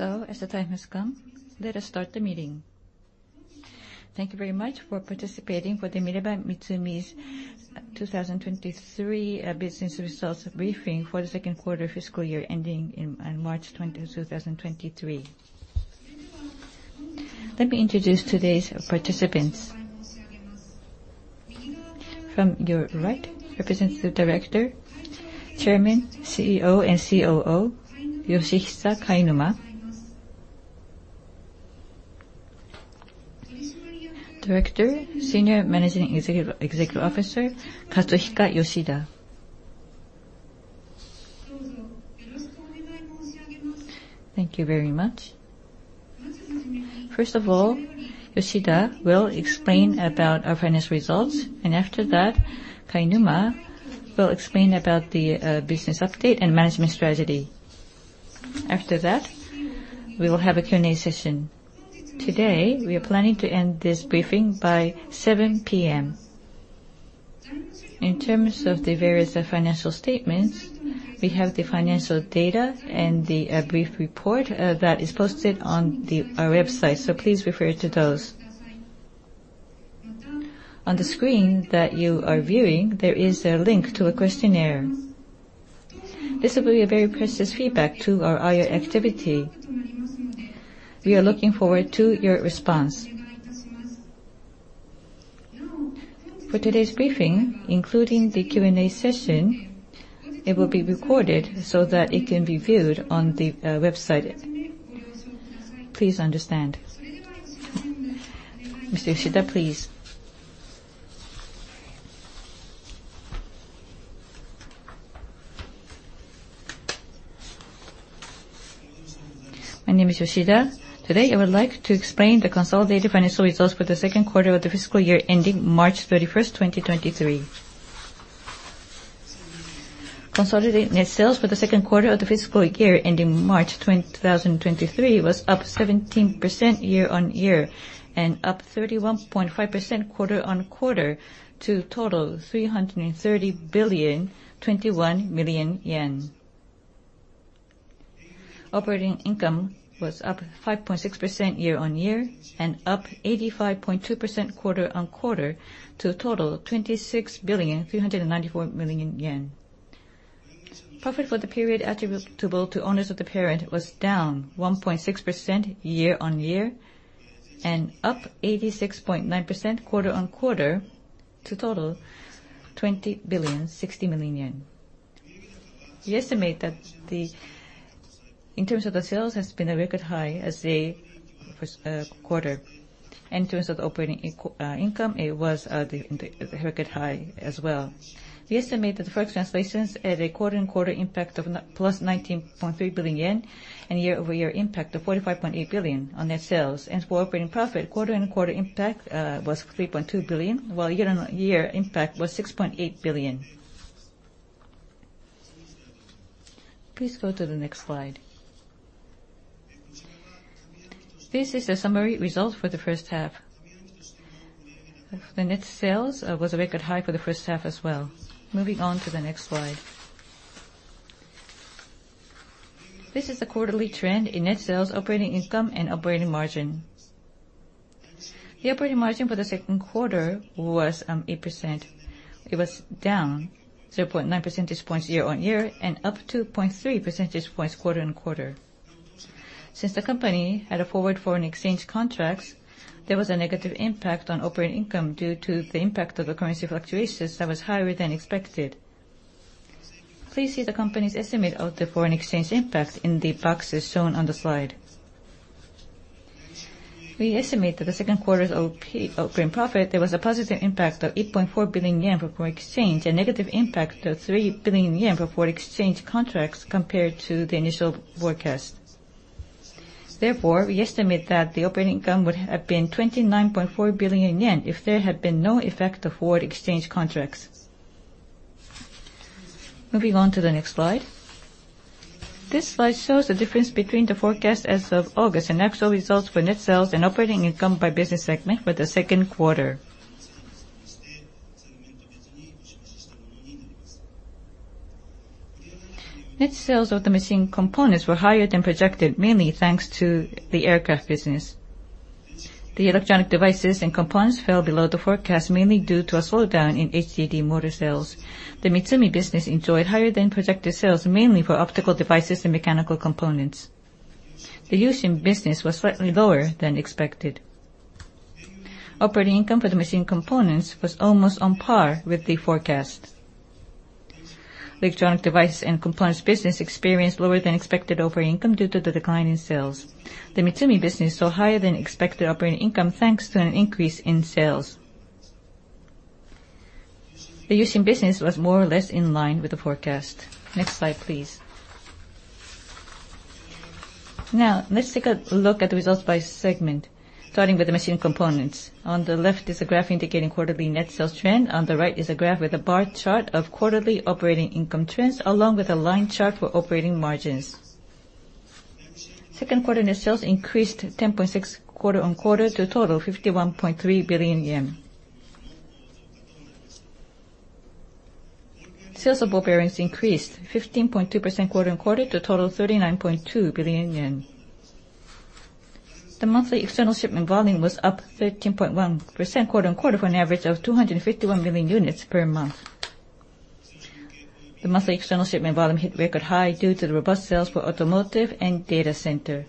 As the time has come, let us start the meeting. Thank you very much for participating in the MinebeaMitsumi's 2023 business results briefing for the second quarter fiscal year ending on March 20, 2023. Let me introduce today's participants. From your right, Representative Director, Chairman, CEO, and COO, Yoshihisa Kainuma. Director, Senior Managing Executive Officer, Katsuhiko Yoshida. Thank you very much. First of all, Yoshida will explain about our financial results, and after that, Kainuma will explain about the business update and management strategy. After that, we will have a Q&A session. Today, we are planning to end this briefing by 7 P.M. In terms of the various financial statements, we have the financial data and the brief report that is posted on our website, so please refer to those. On the screen that you are viewing, there is a link to a questionnaire. This will be a very precious feedback to our IR activity. We are looking forward to your response. For today's briefing, including the Q&A session, it will be recorded so that it can be viewed on the website. Please understand. Mr. Yoshida, please. My name is Yoshida. Today, I would like to explain the consolidated financial results for the second quarter of the fiscal year ending March 31, 2023. Consolidated net sales for the second quarter of the fiscal year ending March 31, 2023 was up 17% year-on-year and up 31.5% quarter-on-quarter to total JPY 330.021 billion. Operating income was up 5.6% year-on-year and up 85.2% quarter-on-quarter to a total of 26.394 billion yen. Profit for the period attributable to owners of the parent was down 1.6% year-on-year and up 86.9% quarter-on-quarter to total 20.06 billion. We estimate that. In terms of the sales has been a record high as the first quarter. In terms of operating income, it was at a record high as well. We estimate that the FX translations had a quarter-on-quarter impact of +19.3 billion yen and year-over-year impact of 45.8 billion on net sales. For operating profit, quarter-on-quarter impact was 3.2 billion, while year-on-year impact was 6.8 billion. Please go to the next slide. This is a summary result for the first half. The net sales was a record high for the first half as well. Moving on to the next slide. This is the quarterly trend in net sales, operating income, and operating margin. The operating margin for the second quarter was 8%. It was down 0.9 percentage points year on year and up 2.3 percentage points quarter on quarter. Since the company had forward foreign exchange contracts, there was a negative impact on operating income due to the impact of the currency fluctuations that was higher than expected. Please see the company's estimate of the foreign exchange impact in the boxes shown on the slide. We estimate that the second quarter's OP, operating profit, there was a positive impact of 8.4 billion yen from foreign exchange and negative impact of 3 billion yen for forward exchange contracts compared to the initial forecast. Therefore, we estimate that the operating income would have been 29.4 billion yen if there had been no effect of forward exchange contracts. Moving on to the next slide. This slide shows the difference between the forecast as of August and actual results for net sales and operating income by business segment for the second quarter. Net sales of the machine components were higher than projected, mainly thanks to the aircraft business. The electronic devices and components fell below the forecast, mainly due to a slowdown in HDD motor sales. The Mitsumi business enjoyed higher than projected sales, mainly for optical devices and mechanical components. The U-Shin business was slightly lower than expected. Operating income for the machine components was almost on par with the forecast. The electronic device and components business experienced lower than expected operating income due to the decline in sales. The Mitsumi business saw higher than expected operating income, thanks to an increase in sales. The U-Shin business was more or less in line with the forecast. Next slide, please. Now let's take a look at the results by segment, starting with the machine components. On the left is a graph indicating quarterly net sales trend. On the right is a graph with a bar chart of quarterly operating income trends, along with a line chart for operating margins. Second quarter net sales increased 10.6 quarter-on-quarter to a total of JPY 51.3 billion. Sales of ball bearings increased 15.2% quarter-on-quarter to total 39.2 billion yen. The monthly external shipment volume was up 13.1% quarter-on-quarter for an average of 251 million units per month. The monthly external shipment volume hit record high due to the robust sales for automotive and data center.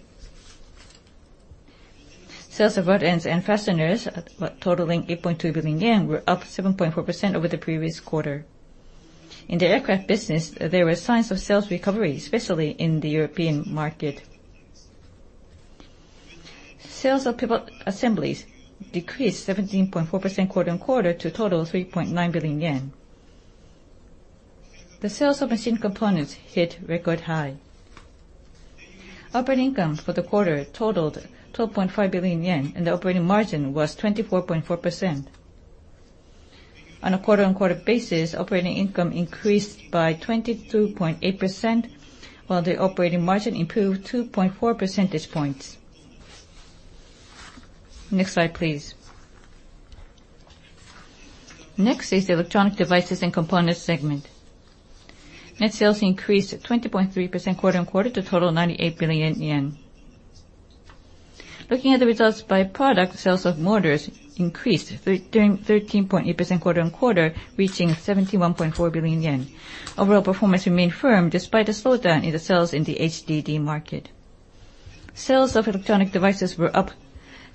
Sales of rod ends and fasteners totaling 8.2 billion yen were up 7.4% over the previous quarter. In the aircraft business, there were signs of sales recovery, especially in the European market. Sales of pivot assemblies decreased 17.4% quarter-on-quarter to total 3.9 billion yen. The sales of machine components hit record high. Operating income for the quarter totaled 12.5 billion yen, and the operating margin was 24.4%. On a quarter-on-quarter basis, operating income increased by 22.8%, while the operating margin improved 2.4 percentage points. Next slide, please. Next is the electronic devices and components segment. Net sales increased 20.3% quarter-on-quarter to total 98 billion yen. Looking at the results by product, sales of motors increased 13.8% quarter-on-quarter, reaching 71.4 billion yen. Overall performance remained firm despite a slowdown in the sales in the HDD market. Sales of electronic devices were up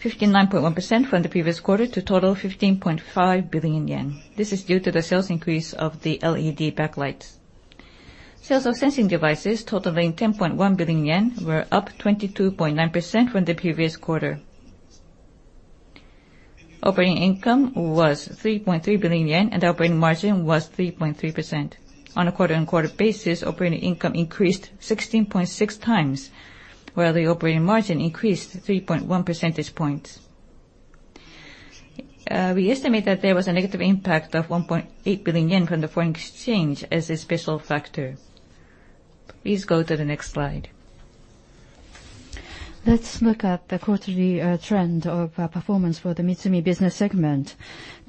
15.1% from the previous quarter to total 15.5 billion yen. This is due to the sales increase of the LED backlights. Sales of sensing devices totaling 10.1 billion yen were up 22.9% from the previous quarter. Operating income was 3.3 billion yen, and operating margin was 3.3%. On a quarter-on-quarter basis, operating income increased 16.6x, while the operating margin increased 3.1 percentage points. We estimate that there was a negative impact of 1.8 billion yen from the foreign exchange as a special factor. Please go to the next slide. Let's look at the quarterly trend of performance for the Mitsumi business segment.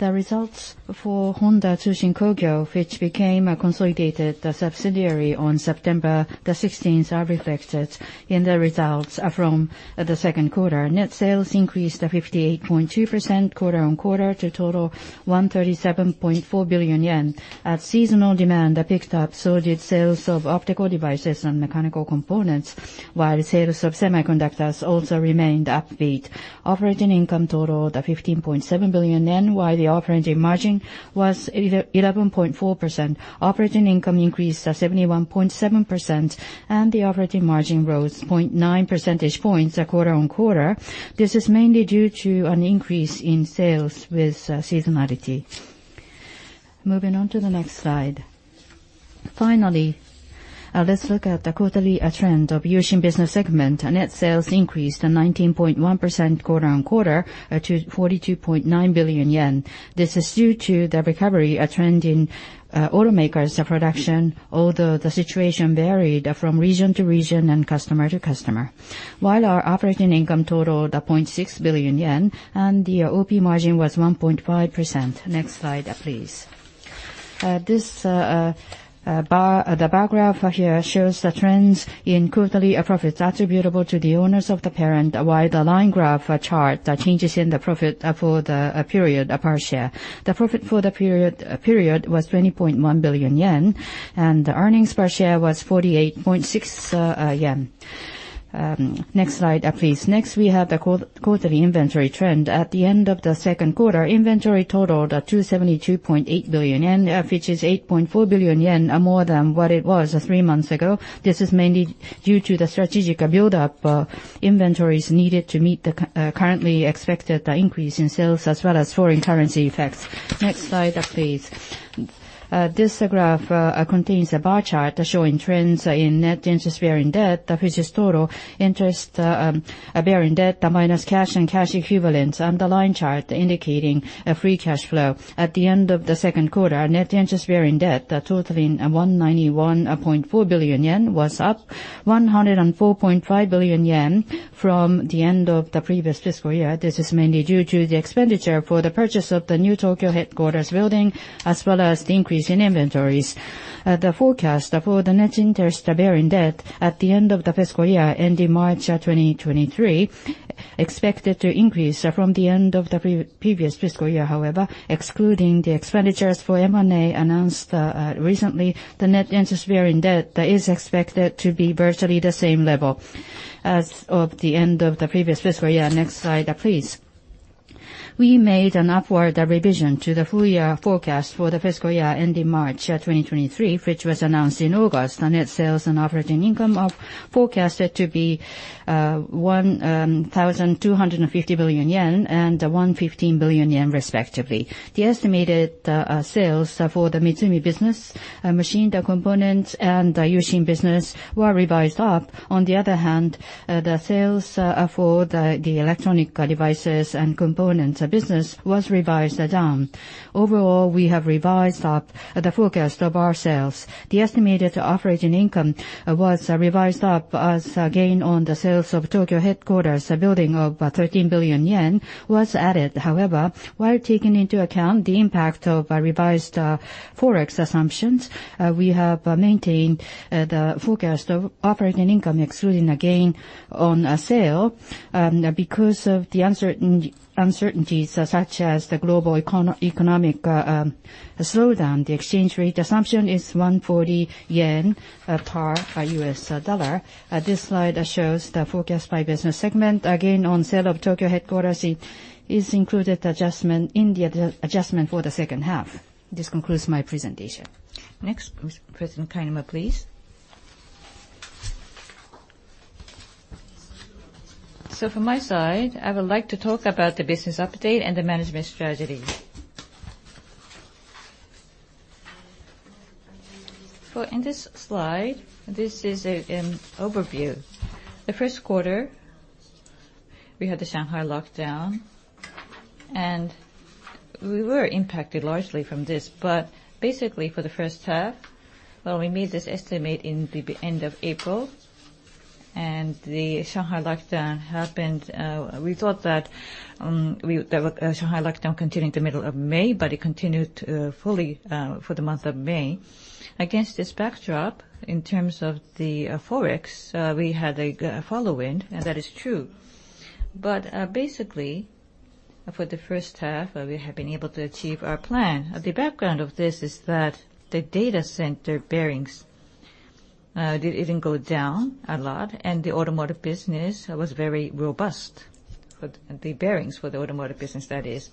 The results for Honda Tsushin Kogyo, which became a consolidated subsidiary on September 16, are reflected in the results from the second quarter. Net sales increased 58.2% quarter-on-quarter to total 137.4 billion yen. As seasonal demand picked up, so did sales of optical devices and mechanical components, while sales of semiconductors also remained upbeat. Operating income totaled 15.7 billion yen, while the operating margin was 11.4%. Operating income increased 71.7%, and the operating margin rose 0.9 percentage points quarter-on-quarter. This is mainly due to an increase in sales with seasonality. Moving on to the next slide. Finally, let's look at the quarterly trend of U-Shin business segment. Net sales increased 19.1% quarter-on-quarter to 42.9 billion yen. This is due to the recovery trend in automakers production, although the situation varied from region to region and customer to customer. While our operating income totaled 0.6 billion yen and the OP margin was 1.5%. Next slide, please. This bar graph here shows the trends in quarterly profits attributable to the owners of the parent, while the line graph chart the changes in the profit for the period per share. The profit for the period was 20.1 billion yen, and the earnings per share was 48.6 yen. Next slide, please. Next, we have the quarterly inventory trend. At the end of the second quarter, inventory totaled 272.8 billion yen, which is 8.4 billion yen more than what it was three months ago. This is mainly due to the strategic buildup of inventories needed to meet the currently expected increase in sales as well as foreign currency effects. Next slide, please. This graph contains a bar chart showing trends in net interest-bearing debt, which is total interest-bearing debt minus cash and cash equivalents, and the line chart indicating free cash flow. At the end of the second quarter, net interest-bearing debt totaling 191.4 billion yen was up 104.5 billion yen from the end of the previous fiscal year. This is mainly due to the expenditure for the purchase of the new Tokyo headquarters building, as well as the increase in inventories. The forecast for the net interest-bearing debt at the end of the fiscal year ending March 2023 expected to increase from the end of the previous fiscal year. However, excluding the expenditures for M&A announced recently, the net interest-bearing debt is expected to be virtually the same level as of the end of the previous fiscal year. Next slide, please. We made an upward revision to the full year forecast for the fiscal year ending March 2023, which was announced in August. The net sales and operating income are forecasted to be 1,250 billion yen and 115 billion yen respectively. The estimated sales for the Mitsumi business, machine components, and the U-Shin business were revised up. On the other hand, the sales for the electronic devices and components business was revised down. Overall, we have revised up the forecast of our sales. The estimated operating income was revised up as a gain on the sales of Tokyo headquarters, a building of 13 billion yen, was added. However, while taking into account the impact of revised Forex assumptions, we have maintained the forecast of operating income excluding a gain on a sale, because of the uncertainties such as the global economic slowdown. The exchange rate assumption is 140 yen per US dollar. This slide shows the forecast by business segment. Again, on sale of Tokyo headquarters, it is included in the adjustment for the second half. This concludes my presentation. Next, President Kainuma, please. From my side, I would like to talk about the business update and the management strategy. In this slide, this is an overview. The first quarter, we had the Shanghai lockdown, and we were impacted largely from this. Basically, for the first half, we made this estimate in the end of April, and the Shanghai lockdown happened. We thought that the Shanghai lockdown continue to the middle of May, but it continued fully for the month of May. Against this backdrop, in terms of the Forex, we had a tailwind, and that is true. Basically, for the first half, we have been able to achieve our plan. The background of this is that the data center bearings didn't go down a lot, and the automotive business was very robust. For the bearings for the automotive business, that is.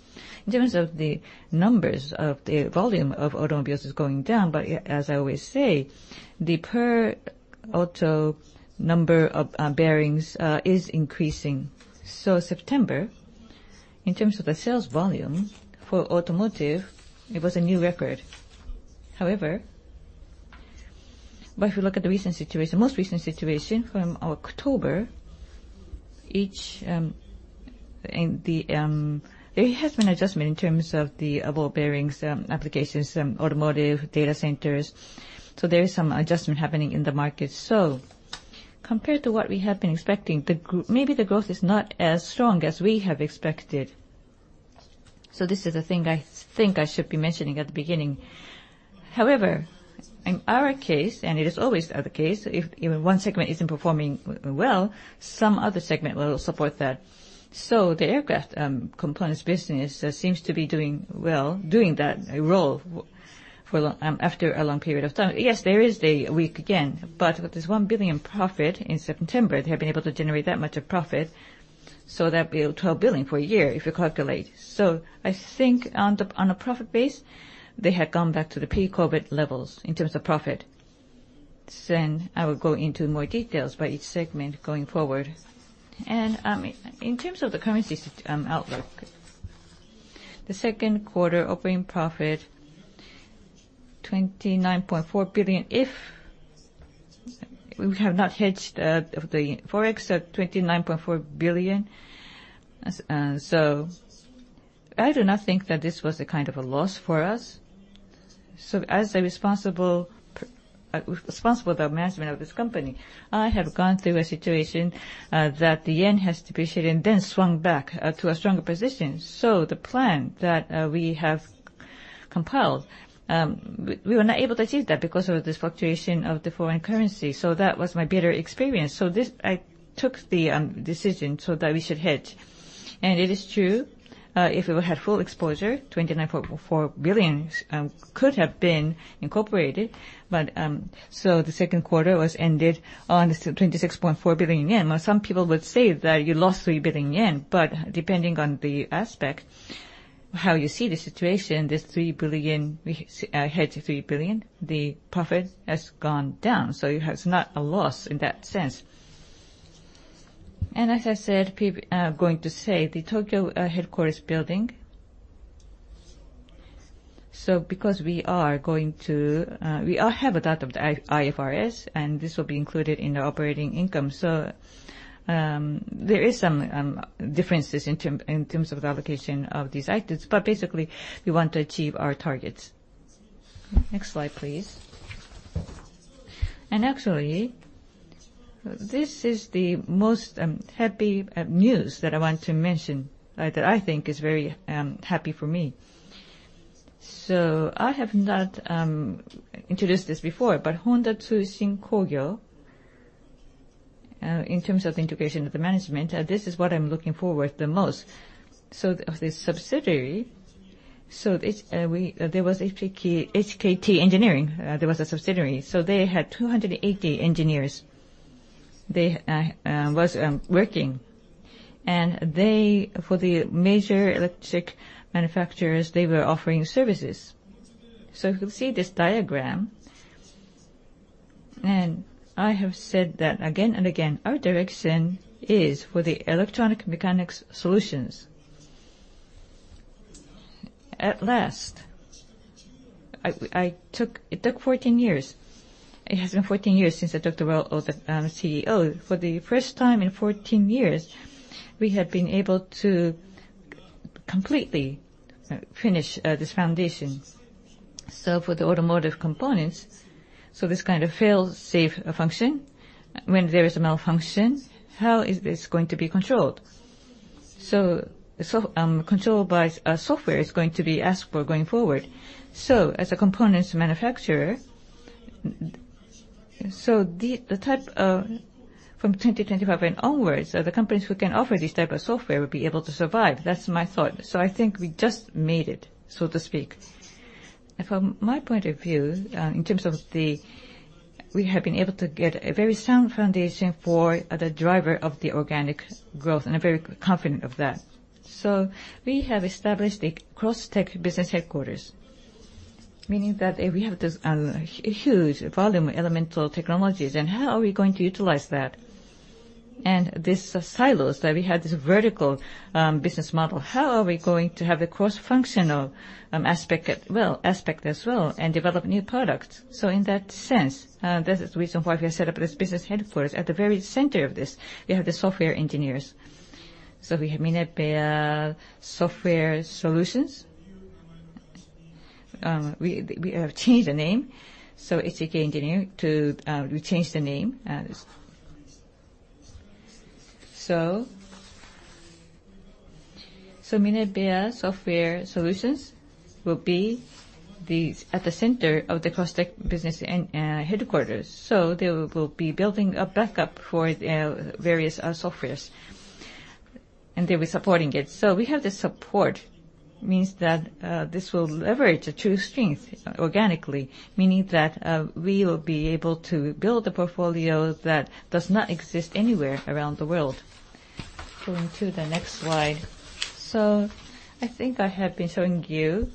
In terms of the numbers of the volume of automobiles is going down, but as I always say, the per auto number of bearings is increasing. September, in terms of the sales volume for automotive, it was a new record. However, but if you look at the recent situation, most recent situation from October, in the. There has been adjustment in terms of the ball bearings, applications, automotive, data centers, so there is some adjustment happening in the market. Compared to what we have been expecting, maybe the growth is not as strong as we have expected. This is the thing I think I should be mentioning at the beginning. However, in our case, and it is always the case, if even one segment isn't performing well, some other segment will support that. The aircraft components business seems to be doing well, doing that role for a long after a long period of time. Yes, there is weakness, again, but with this 1 billion profit in September, they have been able to generate that much of profit, so that'd be 12 billion for a year if you calculate. I think on a profit basis, they had gone back to the pre-COVID levels in terms of profit. I will go into more details by each segment going forward. In terms of the currency outlook, the second quarter operating profit 29.4 billion. If we have not hedged the FX at 29.4 billion, I do not think that this was a kind of a loss for us. As a responsible of the management of this company, I have gone through a situation that the yen has depreciated and then swung back to a stronger position. The plan that we have compiled, we were not able to achieve that because of this fluctuation of the foreign currency. That was my bitter experience. This, I took the decision so that we should hedge. It is true if we had full exposure, 29.4 billion could have been incorporated. The second quarter was ended on this 26.4 billion yen. Now some people would say that you lost 3 billion yen, but depending on the aspect, how you see the situation, this 3 billion, we hedged 3 billion, the profit has gone down, so it has not a loss in that sense. As I said, people going to say, the Tokyo headquarters building. Because we are going to, we all have adopt of the IFRS, and this will be included in the operating income. There is some differences in terms of the allocation of these items, but basically, we want to achieve our targets. Next slide, please. Actually, this is the most happy news that I want to mention that I think is very happy for me. I have not introduced this before, but Honda Tsushin Kogyo, in terms of the integration of the management, this is what I'm looking forward to the most. The subsidiary, there was HKT Engineering, there was a subsidiary. They had 280 engineers. They were working. They, for the major electronics manufacturers, were offering services. If you see this diagram, I have said that again and again, our direction is for the electromechanical solutions. At last, it took 14 years. It has been 14 years since I took the role of the CEO. For the first time in 14 years, we have been able to completely finish this foundation. For the automotive components, this kind of fail-safe function, when there is a malfunction, how is this going to be controlled? Controlled by a software is going to be asked for going forward. As a components manufacturer, from 2025 and onwards, the companies who can offer this type of software will be able to survive. That's my thought. I think we just made it, so to speak. From my point of view, in terms of the, we have been able to get a very sound foundation for the driver of the organic growth, and I'm very confident of that. We have established a CrossTech business headquarters. Meaning that if we have this huge volume Elemental Technologies, then how are we going to utilize that? This silos that we had, this vertical business model, how are we going to have a cross-functional aspect as well and develop new products? In that sense, that is the reason why we have set up this business headquarters. At the very center of this, we have the software engineers. We have Minebea Software Solutions. We have changed the name. Minebea Software Solutions will be at the center of the CrossTech business and headquarters. They will be building a backup for the various softwares, and they'll be supporting it. We have the support, means that, this will leverage the true strength organically, meaning that, we will be able to build a portfolio that does not exist anywhere around the world. Going to the next slide. I think I have been showing you,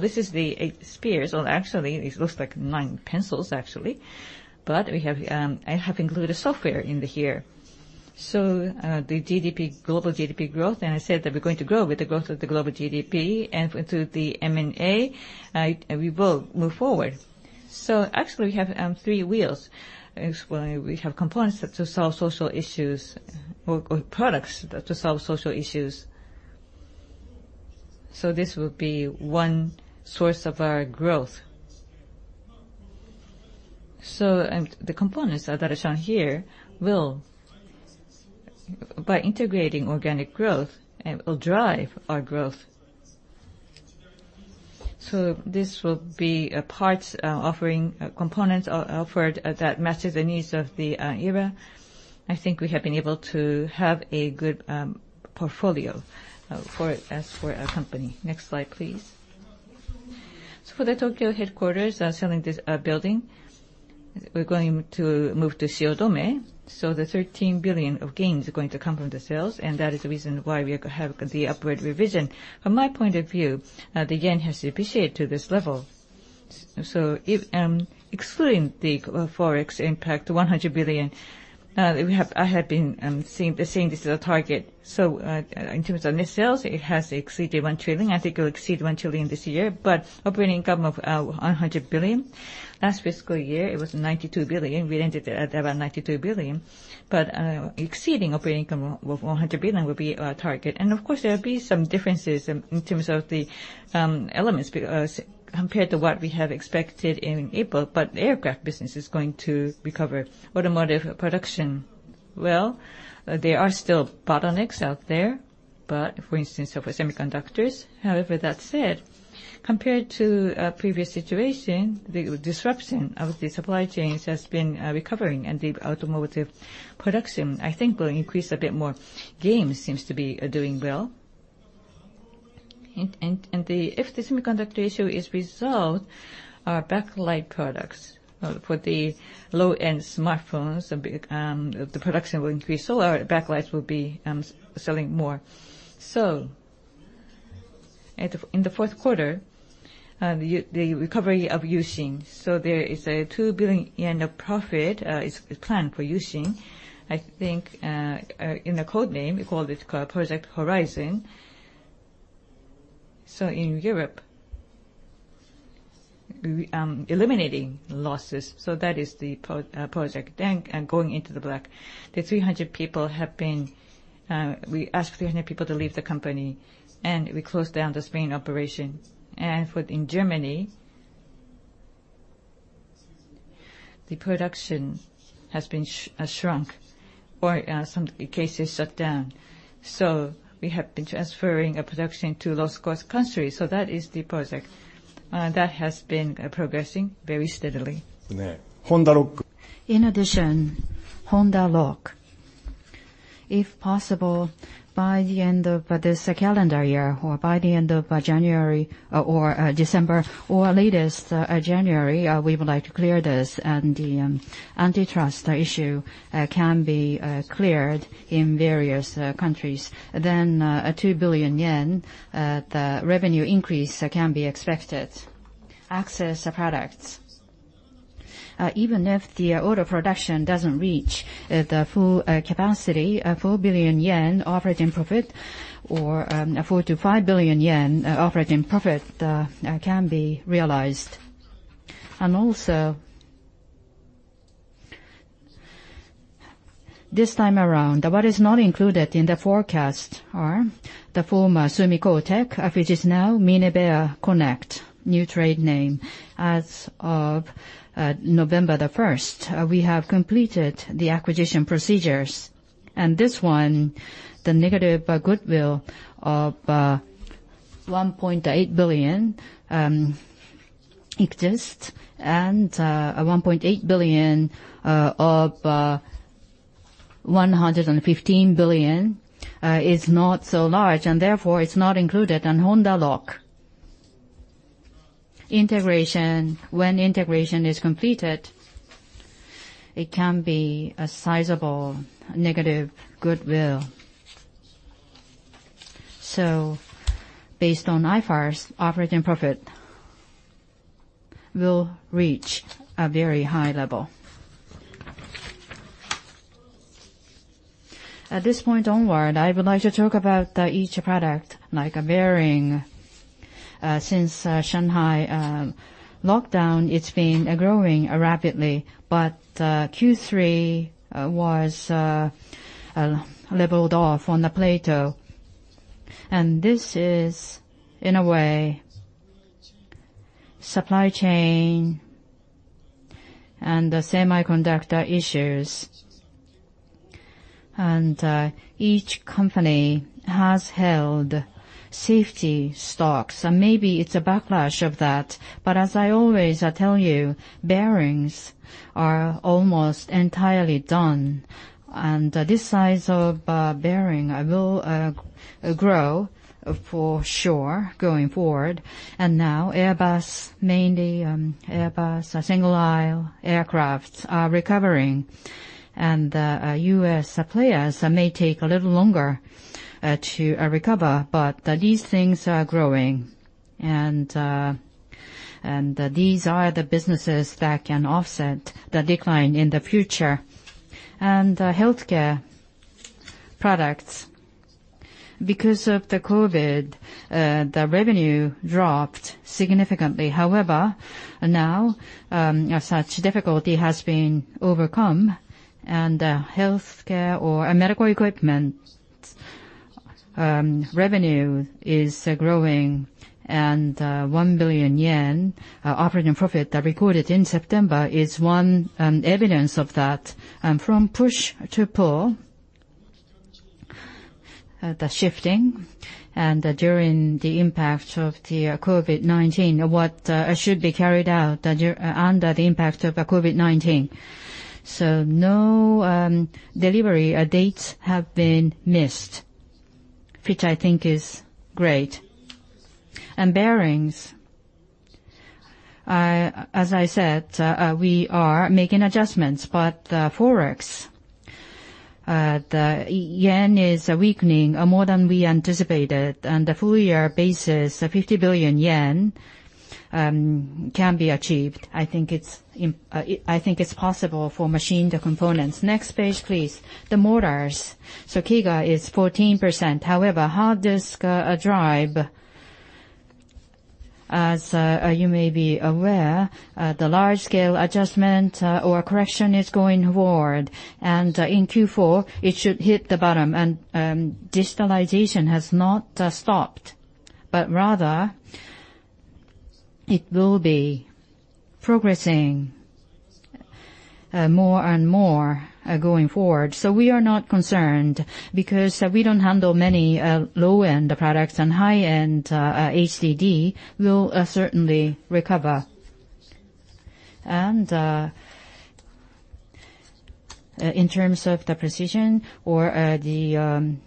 this is the Eight Spears. Well, actually, it looks like nine pencils actually. But we have, I have included software in here. The GDP, global GDP growth, and I said that we're going to grow with the growth of the global GDP, and through the M&A, we will move forward. Actually, we have three wheels. That's why we have components that to solve social issues or products that to solve social issues. This will be one source of our growth. The components that are shown here will, by integrating organic growth, will drive our growth. This will be a parts offering, components offered that matches the needs of the era. I think we have been able to have a good portfolio for our company. Next slide, please. For the Tokyo headquarters, selling this building, we're going to move to Shiodome. The 13 billion of gains are going to come from the sales, and that is the reason why we have the upward revision. From my point of view, the yen has appreciated to this level. If excluding the Forex impact, 100 billion, I have been saying this as a target. In terms of net sales, it has exceeded 1 trillion. I think it will exceed 1 trillion this year. Operating income of 100 billion. Last fiscal year it was 92 billion. We ended at around 92 billion. Exceeding operating income of one hundred billion will be our target. Of course, there will be some differences in terms of the elements because compared to what we have expected in April. The aircraft business is going to recover. Automotive production, well, there are still bottlenecks out there, but for instance, for semiconductors. However, that said, compared to previous situation, the disruption of the supply chains has been recovering and the automotive production, I think will increase a bit more. Games seems to be doing well. If the semiconductor issue is resolved, our backlight products for the low-end smartphones, the production will increase, so our backlights will be selling more. In the fourth quarter, the recovery of U-Shin. There is a 2 billion yen of profit is planned for U-Shin. I think in the code name, we call this Project Horizon. In Europe, we eliminating losses. That is the project. Going into the black, we asked 300 people to leave the company, and we closed down the Spain operation. In Germany, the production has been shrunk or in some cases shut down. We have been transferring production to low-cost countries. That is the project that has been progressing very steadily. Yeah. Honda Lock. In addition, Honda Lock. If possible, by the end of this calendar year or by the end of January or December or latest January, we would like to clear this and the antitrust issue can be cleared in various countries. A 2 billion yen revenue increase can be expected. Access products. Even if the auto production doesn't reach the full capacity, 4 billion yen operating profit or 4 billion-5 billion yen operating profit can be realized. Also, this time around, what is not included in the forecast are the former Sumiko Tech, which is now Minebea Connect, new trade name. As of November 1st, we have completed the acquisition procedures. This one, the negative goodwill of 1.8 billion exists and 1.8 billion of 115 billion is not so large, and therefore it's not included. Honda Lock integration, when integration is completed, it can be a sizable negative goodwill. Based on IFRS, operating profit will reach a very high level. At this point onward, I would like to talk about each product, like bearing. Since Shanghai lockdown, it's been growing rapidly, but Q3 was leveled off on the plateau. This is, in a way, supply chain and the semiconductor issues. Each company has held safety stocks, so maybe it's a backlash of that. But as I always tell you, bearings are almost entirely done. This size of bearing will grow for sure going forward. Now Airbus, mainly Airbus single aisle aircrafts are recovering. US suppliers may take a little longer to recover, but these things are growing. These are the businesses that can offset the decline in the future. Healthcare products, because of the COVID, the revenue dropped significantly. However, now, such difficulty has been overcome, and, healthcare or medical equipment, revenue is growing. 1 billion yen operating profit recorded in September is one evidence of that. From push to pull, the shifting, and during the impact of the COVID-19, what should be carried out under the impact of the COVID-19. No delivery dates have been missed, which I think is great. Bearings, as I said, we are making adjustments, but the FX, the yen is weakening more than we anticipated. On the full year basis, 50 billion yen can be achieved. I think it's possible for machined components. Next page, please. The motors. CAGR is 14%. However, hard disk drive, as you may be aware, the large scale adjustment or correction is going forward. In Q4, it should hit the bottom. Digitalization has not stopped, but rather it will be progressing more and more going forward. We are not concerned because we don't handle many low-end products, and high-end HDD will certainly recover. In terms of the precision or, the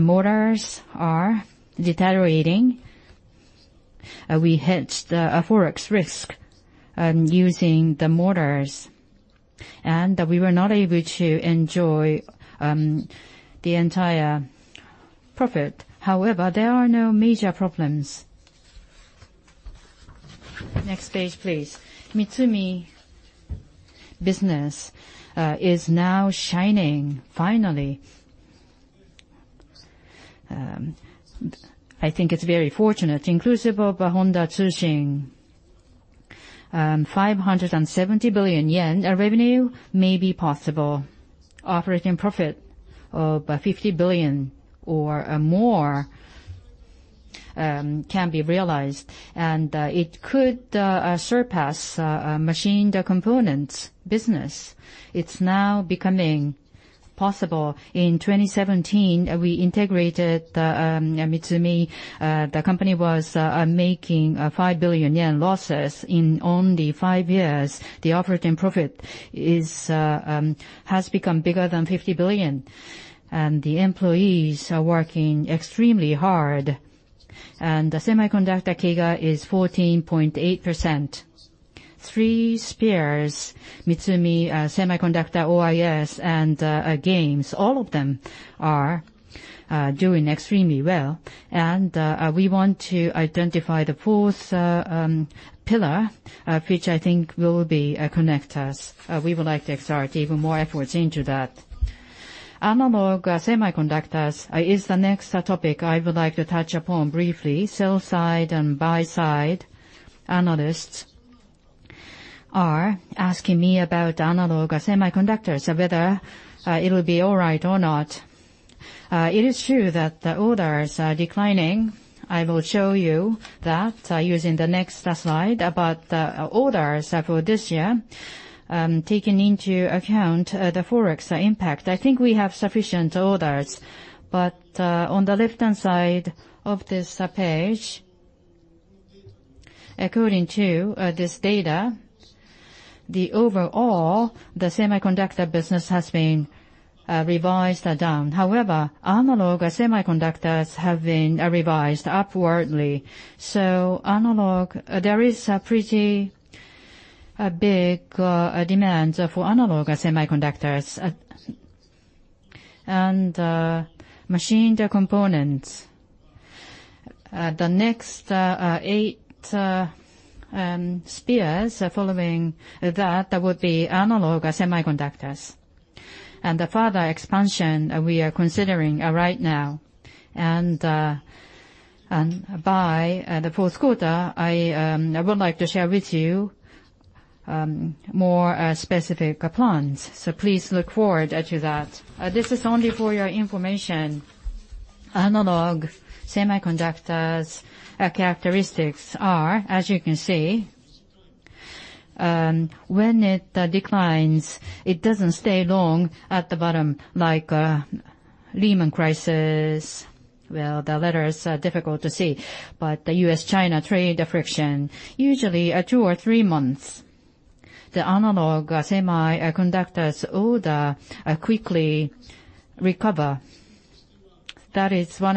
motors are deteriorating. We hedged a Forex risk using the motors, and we were not able to enjoy the entire profit. However, there are no major problems. Next page, please. Mitsumi business is now shining finally. I think it's very fortunate. Inclusive of Honda Tsushin, 570 billion yen revenue may be possible. Operating profit of 50 billion or more can be realized, and it could surpass machined components business. It's now becoming possible. In 2017, we integrated Mitsumi. The company was making 5 billion yen losses. In only 5 years, the operating profit has become bigger than 50 billion. The employees are working extremely hard. The semiconductor CAGR is 14.8%. Three spheres, Mitsumi, semiconductor, OIS, and games, all of them are doing extremely well. We want to identify the fourth pillar, which I think will be connectors. We would like to exert even more efforts into that. Analog semiconductors is the next topic I would like to touch upon briefly. Sell-side and buy-side analysts are asking me about analog semiconductors, whether it will be all right or not. It is true that the orders are declining. I will show you that using the next slide about the orders for this year, taking into account the Forex impact. I think we have sufficient orders. On the left-hand side of this page, according to this data, the overall semiconductor business has been revised down. However, analog semiconductors have been revised upwardly. Analog, there is a pretty big demand for analog semiconductors and machined components. The next aspheres following that would be analog semiconductors. The further expansion we are considering right now, and by the fourth quarter, I would like to share with you more specific plans, so please look forward to that. This is only for your information. Analog semiconductors characteristics are, as you can see, when it declines, it doesn't stay long at the bottom, like Lehman crisis, well, the letters are difficult to see, but the US-China trade friction, usually two or three months. The analog semiconductors order quickly recover. That is one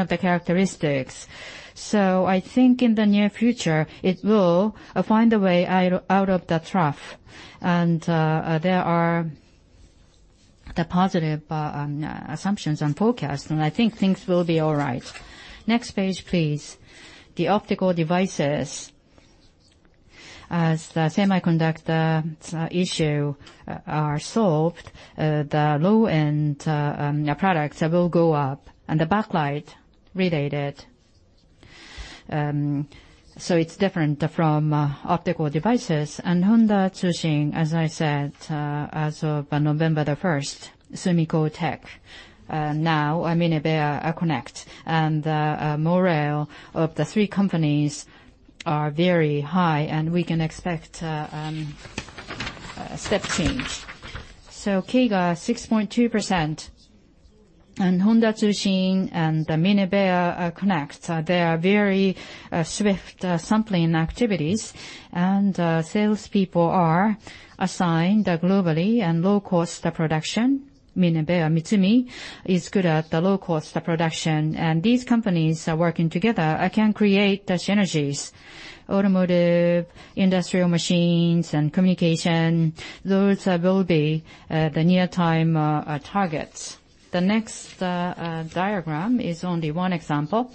of the characteristics. I think in the near future, it will find a way out of the trough. There are the positive assumptions and forecasts, and I think things will be all right. Next page, please. The optical devices. As the semiconductors issues are solved, the low-end products will go up and the backlight-related. It's different from optical devices. Honda Tsushin, as I said, as of November 1st, SUMIKO TEC, now Minebea Connect, and the morale of the three companies are very high, and we can expect step change. CAGR 6.2%, and Honda Tsushin and the Minebea Connect, they are very swift sampling activities, and sales people are assigned globally and low-cost production. MinebeaMitsumi is good at the low-cost production, and these companies are working together can create synergies. Automotive, industrial machines, and communication, those will be the near-term targets. The next diagram is only one example.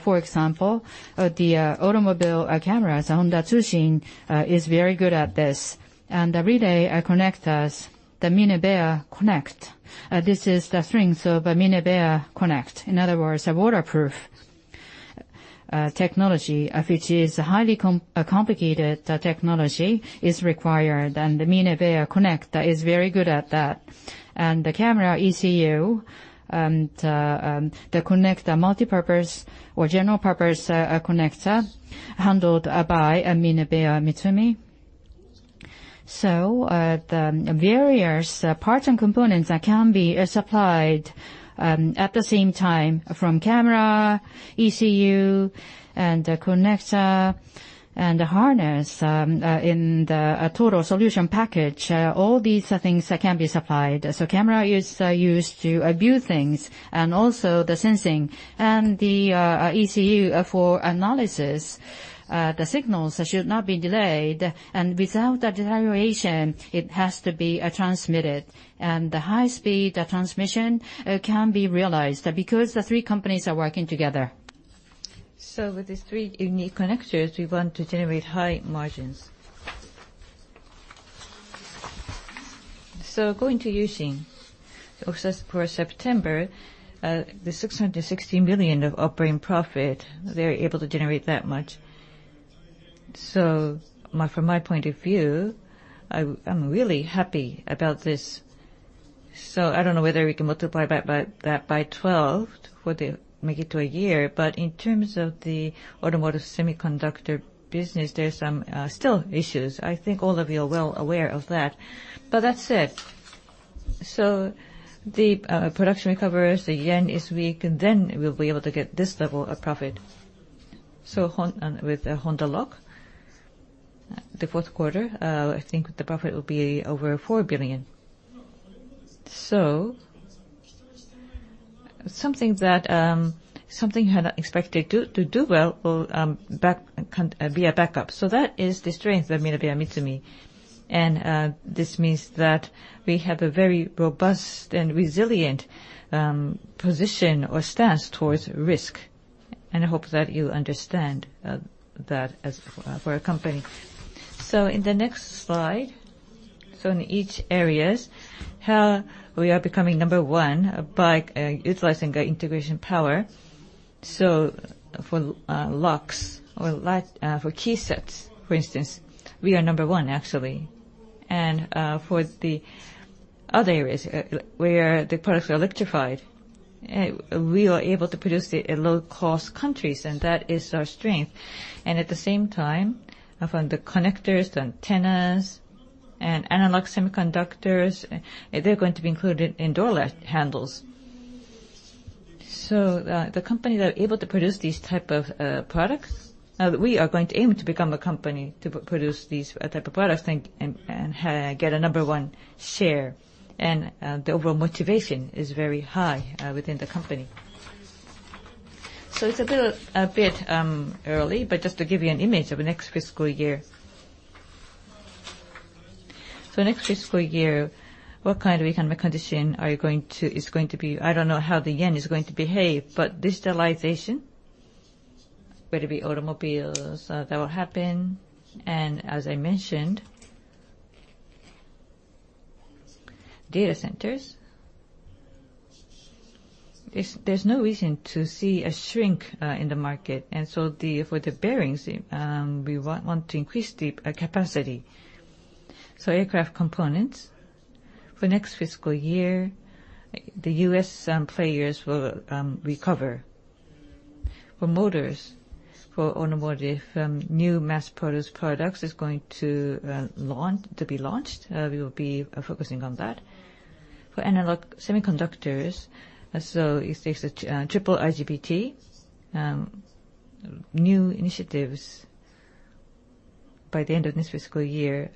For example, the automobile cameras, Honda Tsushin is very good at this. Every day, our connectors, the Minebea Connect. This is the strength of Minebea Connect. In other words, a waterproof technology, which is highly complicated technology, is required, and the Minebea Connect is very good at that. The camera ECU and the connector, multipurpose or general purpose connector, handled by MinebeaMitsumi. The various parts and components can be supplied at the same time, from camera, ECU, and the connector, and the harness, in the total solution package. All these things can be supplied. Camera is used to view things and also the sensing. The ECU for analysis, the signals should not be delayed. Without the deterioration, it has to be transmitted. The high-speed transmission can be realized because the three companies are working together. With these three unique connectors, we want to generate high margins. Going to using, also for September, the 660 million of operating profit, they're able to generate that much. From my point of view, I'm really happy about this. I don't know whether we can multiply that by twelve to make it to a year. In terms of the automotive semiconductor business, there's still issues. I think all of you are well aware of that. That said, the production recovers, the yen is weak, and then we'll be able to get this level of profit. With Honda Lock, the fourth quarter, I think the profit will be over 4 billion. Something that had expected to do well can be a backup. That is the strength of MinebeaMitsumi. This means that we have a very robust and resilient position or stance towards risk. I hope that you understand that as for our company. In the next slide, in each areas, how we are becoming number one by utilizing our integration power. For locks, for key sets, for instance, we are number one, actually. For the other areas where the products are electrified, we are able to produce it in low-cost countries, and that is our strength. At the same time, from the connectors, the antennas, and analog semiconductors, they're going to be included in door latch handles. The company that are able to produce these type of products, now we are going to aim to become a company to produce these type of products and get a number one share. The overall motivation is very high within the company. It's a little, a bit early, but just to give you an image of next fiscal year. Next fiscal year, what kind of economic condition is going to be? I don't know how the yen is going to behave, but digitalization, whether it be automobiles, that will happen, and as I mentioned, data centers. There's no reason to see a shrink in the market. For the bearings, we want to increase the capacity. Aircraft components, for next fiscal year, the US players will recover. For motors, for automotive, new mass-produced products is going to be launched. We will be focusing on that. For analog semiconductors, so it takes a triple IGBT. New initiatives by the end of this fiscal year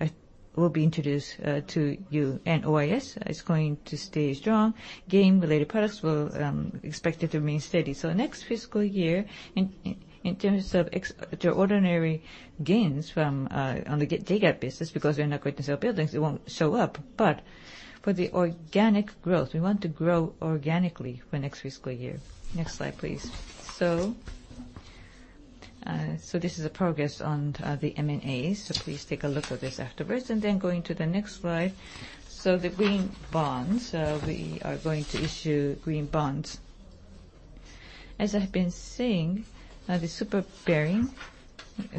will be introduced to you. OIS is going to stay strong. Game-related products expected to remain steady. Next fiscal year, in terms of extraordinary gains from the J-GAAP business, because we're not going to sell buildings, it won't show up. For the organic growth, we want to grow organically for next fiscal year. Next slide, please. This is the progress on the M&As, so please take a look at this afterwards. Going to the next slide. The green bonds, we are going to issue green bonds. As I have been saying, the super bearing,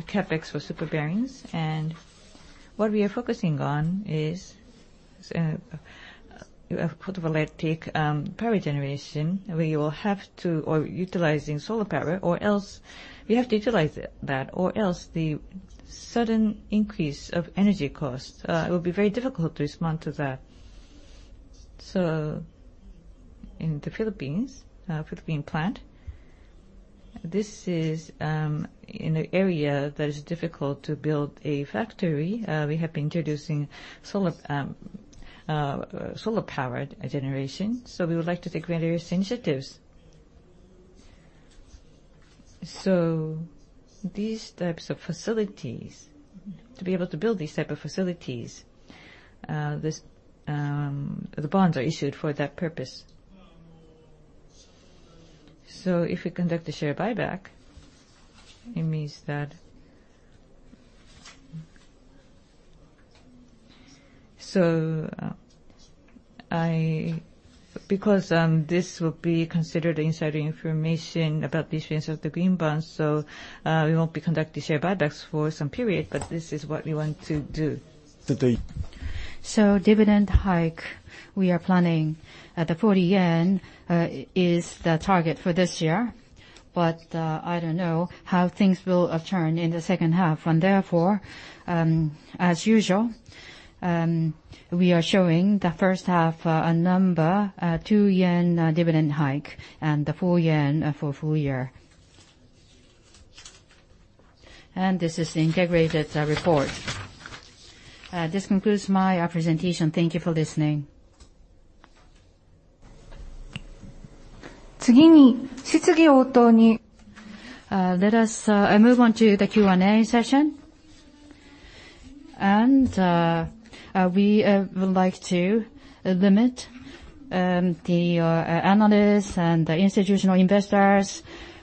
CapEx for super bearings, and what we are focusing on is photovoltaic power generation. We will have to utilize solar power or else we have to utilize that, or else the sudden increase of energy costs, it will be very difficult to respond to that. In the Philippines, Philippine plant, this is in a area that is difficult to build a factory. We have been introducing solar-powered generation, we would like to take various initiatives. These types of facilities, to be able to build these type of facilities, the bonds are issued for that purpose. If we conduct a share buyback, it means that... Because this will be considered insider information about the issuance of the green bonds, we won't be conducting share buybacks for some period, but this is what we want to do. Dividend hike, we are planning, the 40 yen is the target for this year. I don't know how things will have turned in the second half. Therefore, as usual, we are showing the first half number, 2 yen dividend hike and the 4 yen for full year. This is the integrated report. This concludes my presentation. Thank you for listening. Let us move on to the Q&A session. We would like to limit the analysts and the institutional investors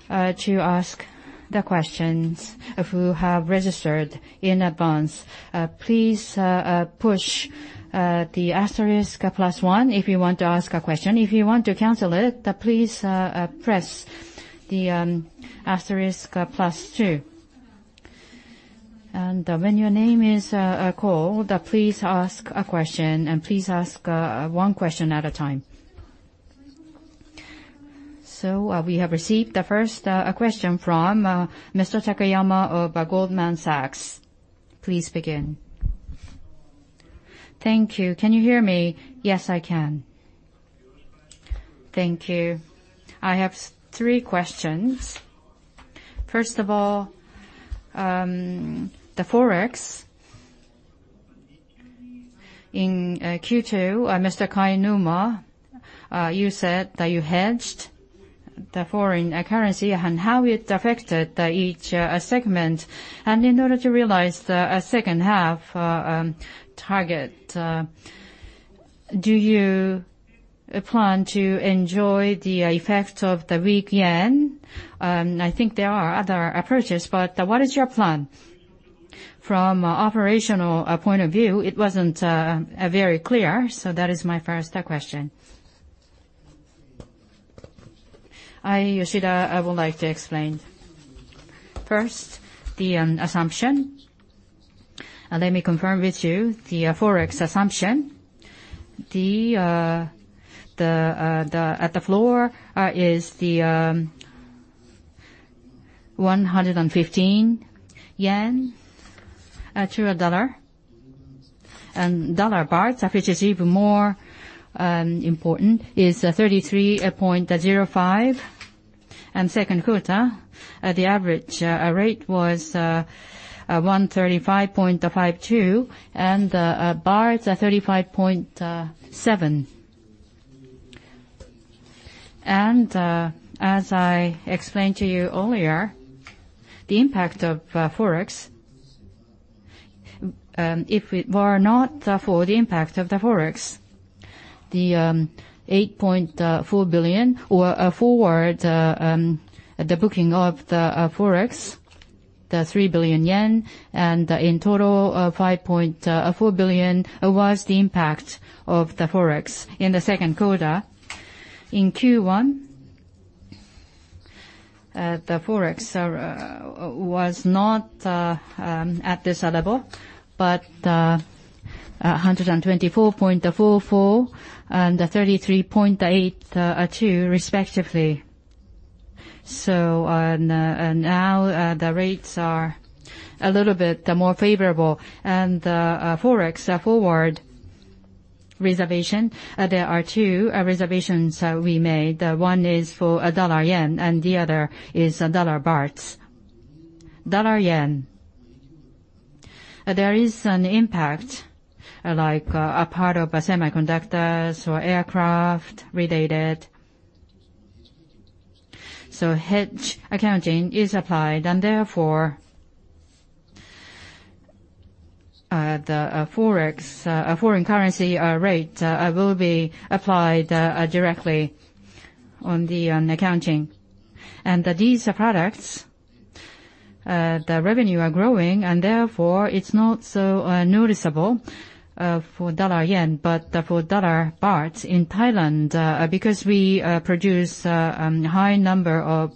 to ask the questions who have registered in advance. Please push the asterisk plus one if you want to ask a question. If you want to cancel it, please press the asterisk plus two. When your name is called, please ask a question and please ask one question at a time. We have received the first question from Mr. Takayama of Goldman Sachs. Please begin. Thank you. Can you hear me? Yes, I can. Thank you. I have three questions. First of all, the Forex. In Q2, Mr. Kainuma, you said that you hedged the foreign currency and how it affected each segment. In order to realize the second half target, do you plan to enjoy the effect of the weak yen? I think there are other approaches, but what is your plan? From an operational point of view, it wasn't very clear, so that is my first question. I, Yoshida, I would like to explain. First, the assumption. Let me confirm with you the FX assumption. The floor is 115 yen to a dollar. Dollar baht, which is even more important, is 33.05. and Baht 35.7. As I explained to you earlier, the impact of forex, if it were not for the impact of the forex, the 8.4 billion from forward, the booking of the forex, the 3 billion yen, and in total 5.4 billion was the impact of the forex in the second quarter. In Q1 the forex was not at this level, but 124.44 and 33.82 respectively. Now the rates are a little bit more favorable. Forex forward reservation, there are two reservations we made. One is for dollar-yen, and the other is dollar-baht. Dollar-yen, there is an impact, like, a part of semiconductors or aircraft related. Hedge accounting is applied, and therefore, the forex foreign currency rate will be applied directly on the accounting. These products, the revenue are growing, and therefore it's not so noticeable for dollar-yen, but for dollar-baht in Thailand, because we produce a high number of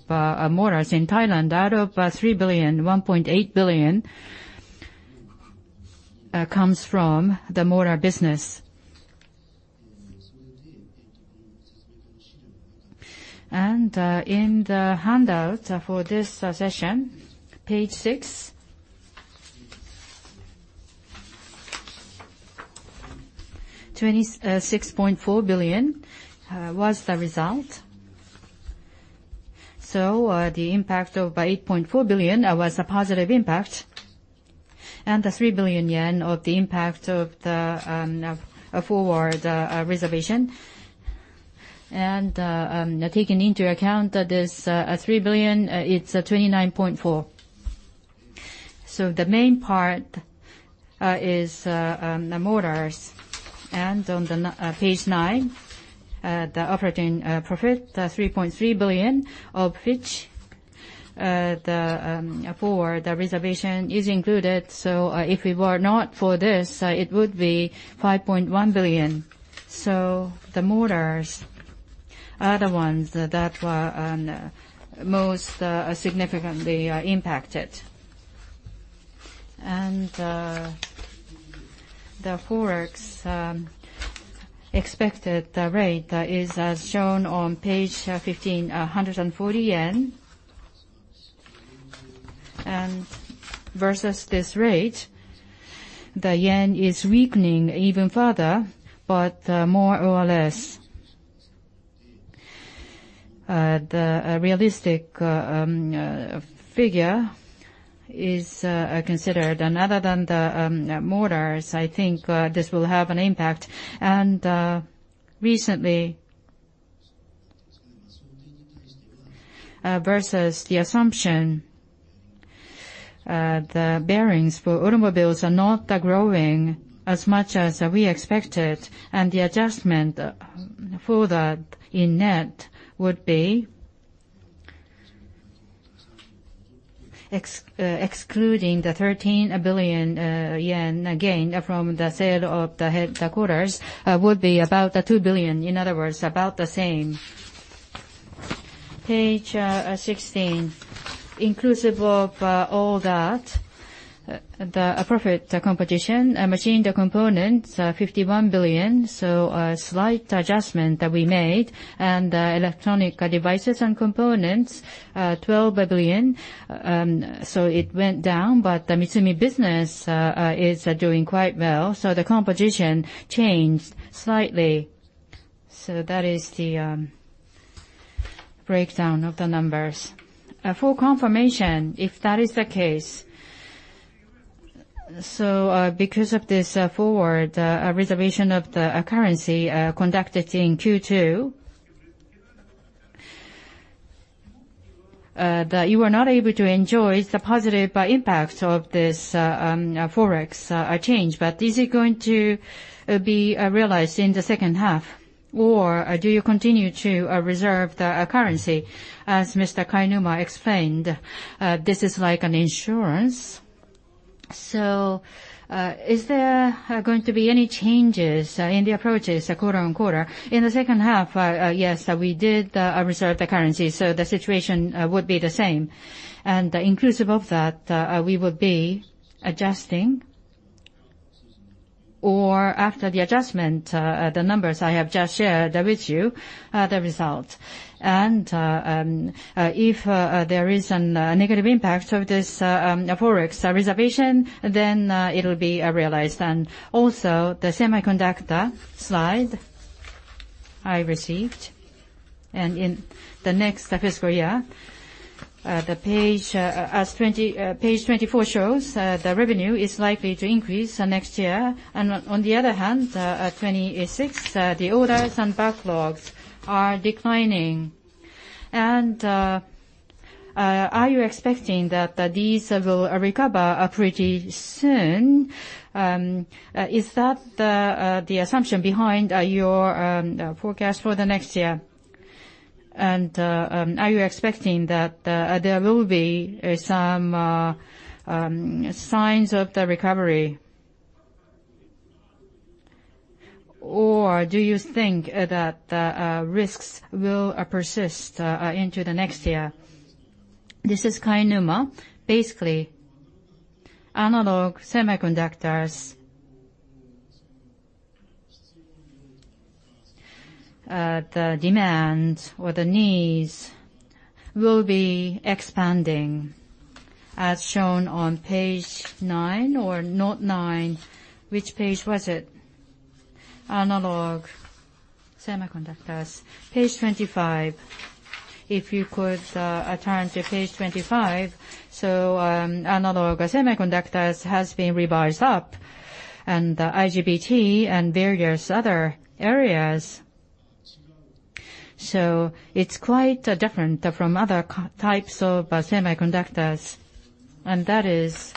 motors in Thailand. Out of 3 billion, 1.8 billion comes from the motor business. In the handout for this session, page six, 26.4 billion was the result. The impact of 8.4 billion was a positive impact, and the 3 billion yen of the impact of the forward reservation. Taking into account this 3 billion, it's 29.4 billion. The main part is the motors. On page nine, the operating profit 3.3 billion, of which the reservation is included. If it were not for this, it would be 5.1 billion. The motors are the ones that were most significantly impacted. The FX expected rate is as shown on page 15, 140. Versus this rate, the yen is weakening even further. More or less, the realistic figure is considered. Other than the motors, I think this will have an impact. Recently, versus the assumption, the bearings for automobiles are not growing as much as we expected, and the adjustment for that in net would be excluding the 13 billion yen gain from the sale of the headquarters, would be about 2 billion. In other words, about the same. Page sixteen, inclusive of all that, the profit composition, machined components, 51 billion, so a slight adjustment that we made. Electronic devices and components, 12 billion, so it went down. The Mitsumi business is doing quite well, so the composition changed slightly. That is the breakdown of the numbers. For confirmation, if that is the case, because of this forward reservation of the currency conducted in Q2, that you are not able to enjoy the positive impacts of this forex change. Is it going to be realized in the second half, or do you continue to reserve the currency? As Mr. Kainuma explained, this is like an insurance. Is there going to be any changes in the approaches quarter-over-quarter? In the second half, yes, we did reserve the currency, so the situation would be the same. Inclusive of that, we would be adjusting or after the adjustment, the numbers I have just shared with you, the result. If there is a negative impact of this forex reservation, then it'll be realized. Also, the semiconductor slide I received. In the next fiscal year, as page 24 shows, the revenue is likely to increase next year. On the other hand, at 26, the orders and backlogs are declining. Are you expecting that these will recover pretty soon? Is that the assumption behind your forecast for the next year? Are you expecting that there will be some signs of the recovery? Or do you think that risks will persist into the next year? This is Kainuma. Basically, analog semiconductors, the demands or the needs will be expanding as shown on page nine or not nine. Which page was it? Analog semiconductors, page 25. If you could, turn to page 25. Analog semiconductors has been revised up, and the IGBT and various other areas, so it's quite different from other kinds of semiconductors, and that is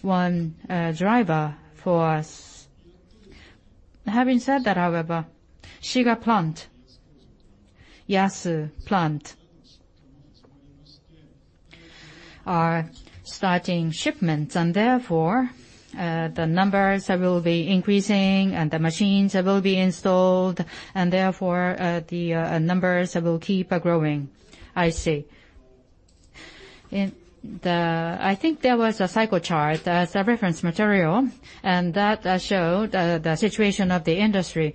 one driver for us. Having said that, however, Shiga Plant, Yasu Plant are starting shipments, and therefore, the numbers will be increasing, and the machines will be installed, and therefore, the numbers will keep growing. I see. I think there was a cycle chart as a reference material, and that showed the situation of the industry.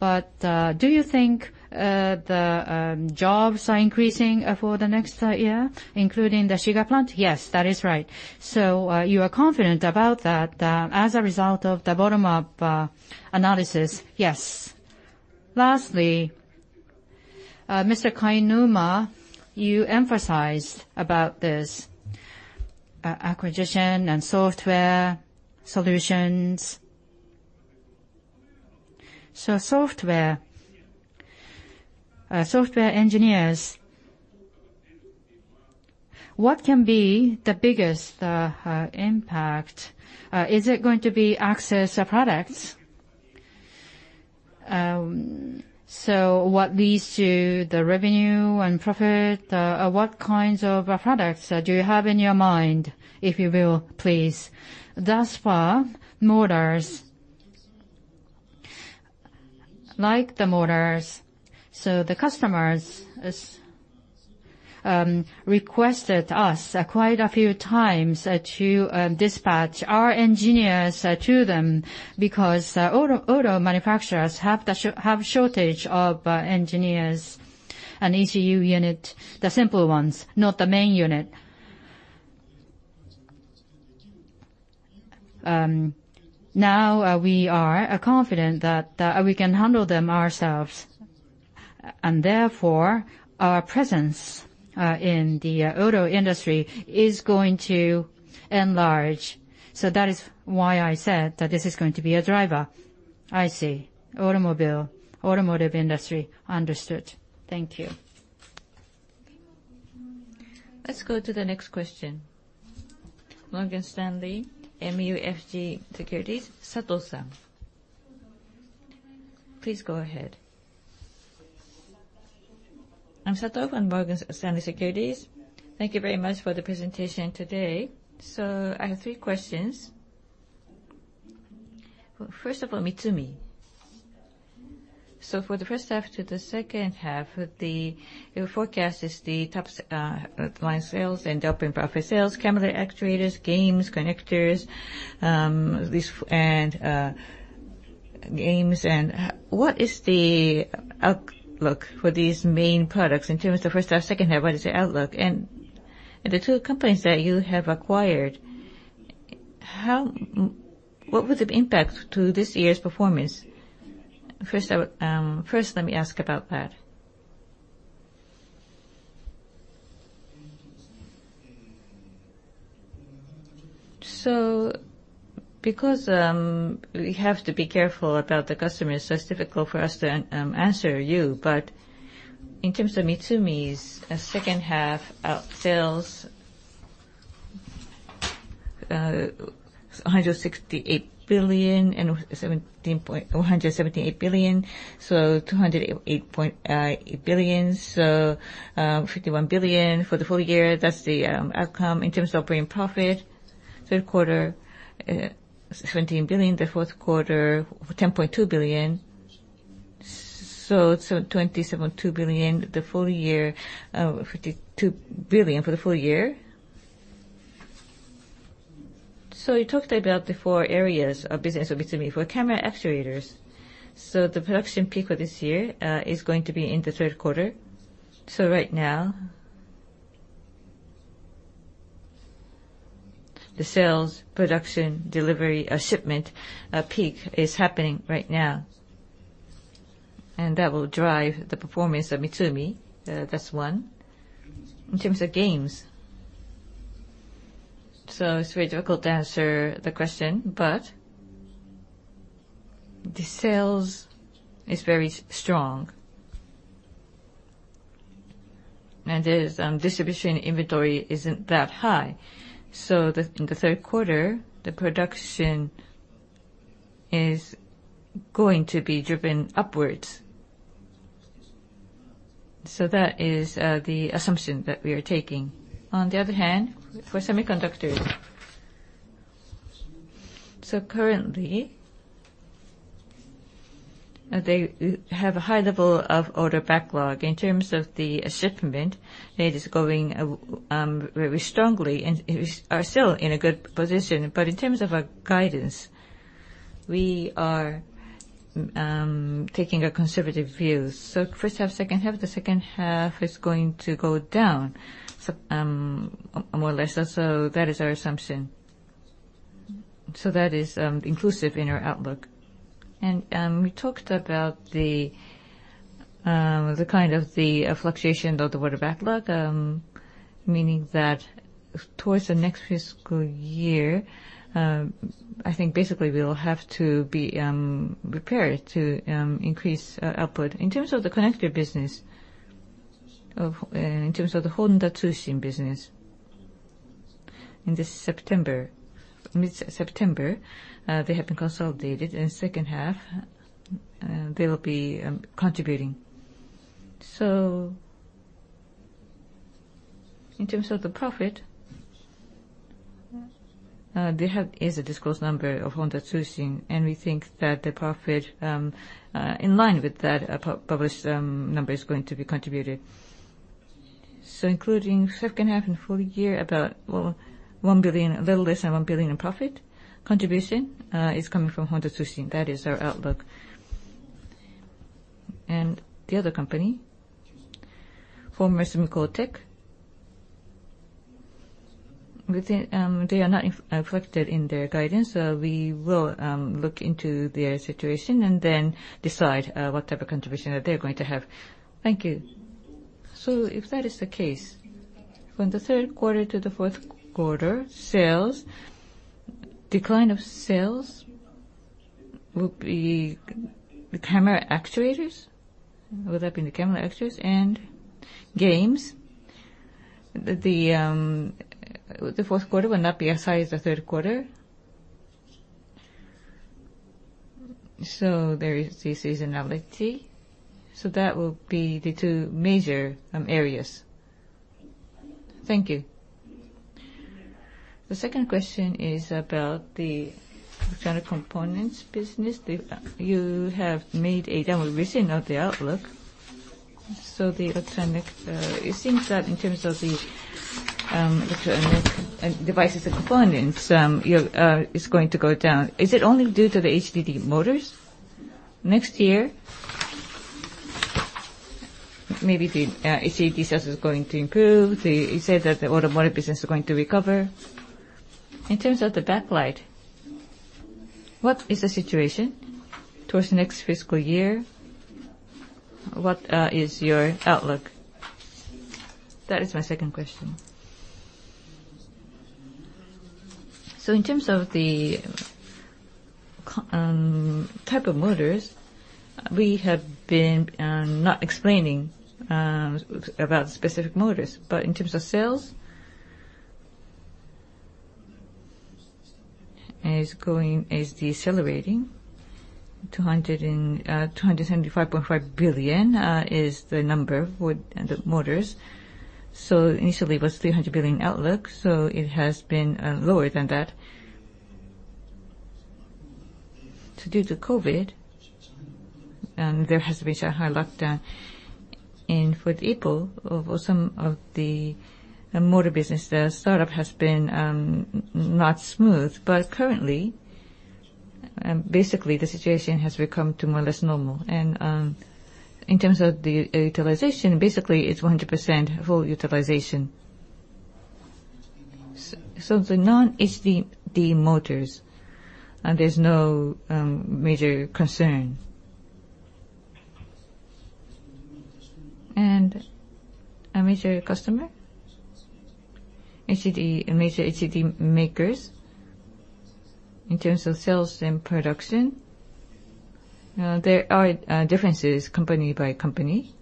Do you think the jobs are increasing for the next year, including the Shiga Plant? Yes, that is right. You are confident about that, as a result of the bottom-up analysis? Yes. Lastly, Mr. Kainuma, you emphasized about this acquisition and software solutions. Software engineers, what can be the biggest impact? Is it going to be access products? What leads to the revenue and profit? What kinds of products do you have in your mind, if you will, please? Thus far, motors. Like the motors, the customers requested us quite a few times to dispatch our engineers to them because auto manufacturers have the shortage of engineers, an ECU unit, the simple ones, not the main unit. Now, we are confident that we can handle them ourselves, and therefore, our presence in the auto industry is going to enlarge. That is why I said that this is going to be a driver. I see. Automobile, automotive industry. Understood. Thank you. Let's go to the next question. Morgan Stanley MUFG Securities, Sato-san. Please go ahead. I'm Sato from Morgan Stanley MUFG Securities. Thank you very much for the presentation today. I have three questions. First of all, Mitsumi. For the first half to the second half, your forecast is the top line sales and operating profit sales, camera actuators, games, connectors, these, and games. What is the outlook for these main products? In terms of first half, second half, what is the outlook? The two companies that you have acquired, what was the impact to this year's performance? First, let me ask about that. Because we have to be careful about the customers, so it's difficult for us to answer you. But in terms of Mitsumi's second half sales, 178 billion, so 208.8 billion. 51 billion for the full year, that's the outcome. In terms of operating profit, third quarter, JPY 17 billion, the fourth quarter, JPY 10.2 billion. 27.2 billion, the full year, JPY 52 billion for the full year. You talked about the four areas of business of Mitsumi. For camera actuators, the production peak for this year is going to be in the third quarter. Right now The sales, production, delivery, or shipment peak is happening right now, and that will drive the performance of Mitsumi. That's one. In terms of games, it's very difficult to answer the question, but the sales is very strong. The distribution inventory isn't that high. The third quarter, the production is going to be driven upwards. That is the assumption that we are taking. On the other hand, for semiconductors. Currently, they have a high level of order backlog. In terms of the shipment, that is going very strongly and is still in a good position. In terms of our guidance, we are taking a conservative view. First half, second half, the second half is going to go down. More or less, that is our assumption. That is inclusive in our outlook. We talked about the kind of fluctuation of the order backlog, meaning that towards the next fiscal year, I think basically we will have to be prepared to increase output. In terms of the connector business, in terms of the Honda Tsushin business, in this September, mid-September, they have been consolidated. In second half, they'll be contributing. In terms of the profit, there is a disclosed number of Honda Tsushin, and we think that the profit in line with that published number is going to be contributed. Including second half and full year, about, well, 1 billion, a little less than 1 billion in profit contribution is coming from Honda Tsushin. That is our outlook. The other company, former SUMIKO TEC, within, they are not affected in their guidance, so we will look into their situation and then decide what type of contribution that they're going to have. Thank you. If that is the case, from the third quarter to the fourth quarter, sales decline will be the camera actuators. Will that be the camera actuators? Games, the fourth quarter will not be as high as the third quarter. There is the seasonality. That will be the two major areas. Thank you. The second question is about the electronic components business. You have made a revision of the outlook, so the electronic, it seems that in terms of the electronic devices and components, it is going to go down. Is it only due to the HDD motors next year? Maybe the HDD sales is going to improve. Then you said that the automotive business is going to recover. In terms of the backlight, what is the situation towards the next fiscal year? What is your outlook? That is my second question. In terms of the type of motors, we have been not explaining about specific motors. In terms of sales is decelerating. 275.5 billion is the number with the motors. Initially it was 300 billion outlook, so it has been lower than that. Due to COVID, there has been a high lockdown. For April, for some of the motor business, the startup has been not smooth. Currently, basically the situation has become to more or less normal. In terms of the utilization, basically it's 100% full utilization. The non-HDD motors, and there's no major concern. Our major customer, HDD, major HDD makers, in terms of sales and production, there are differences company by company.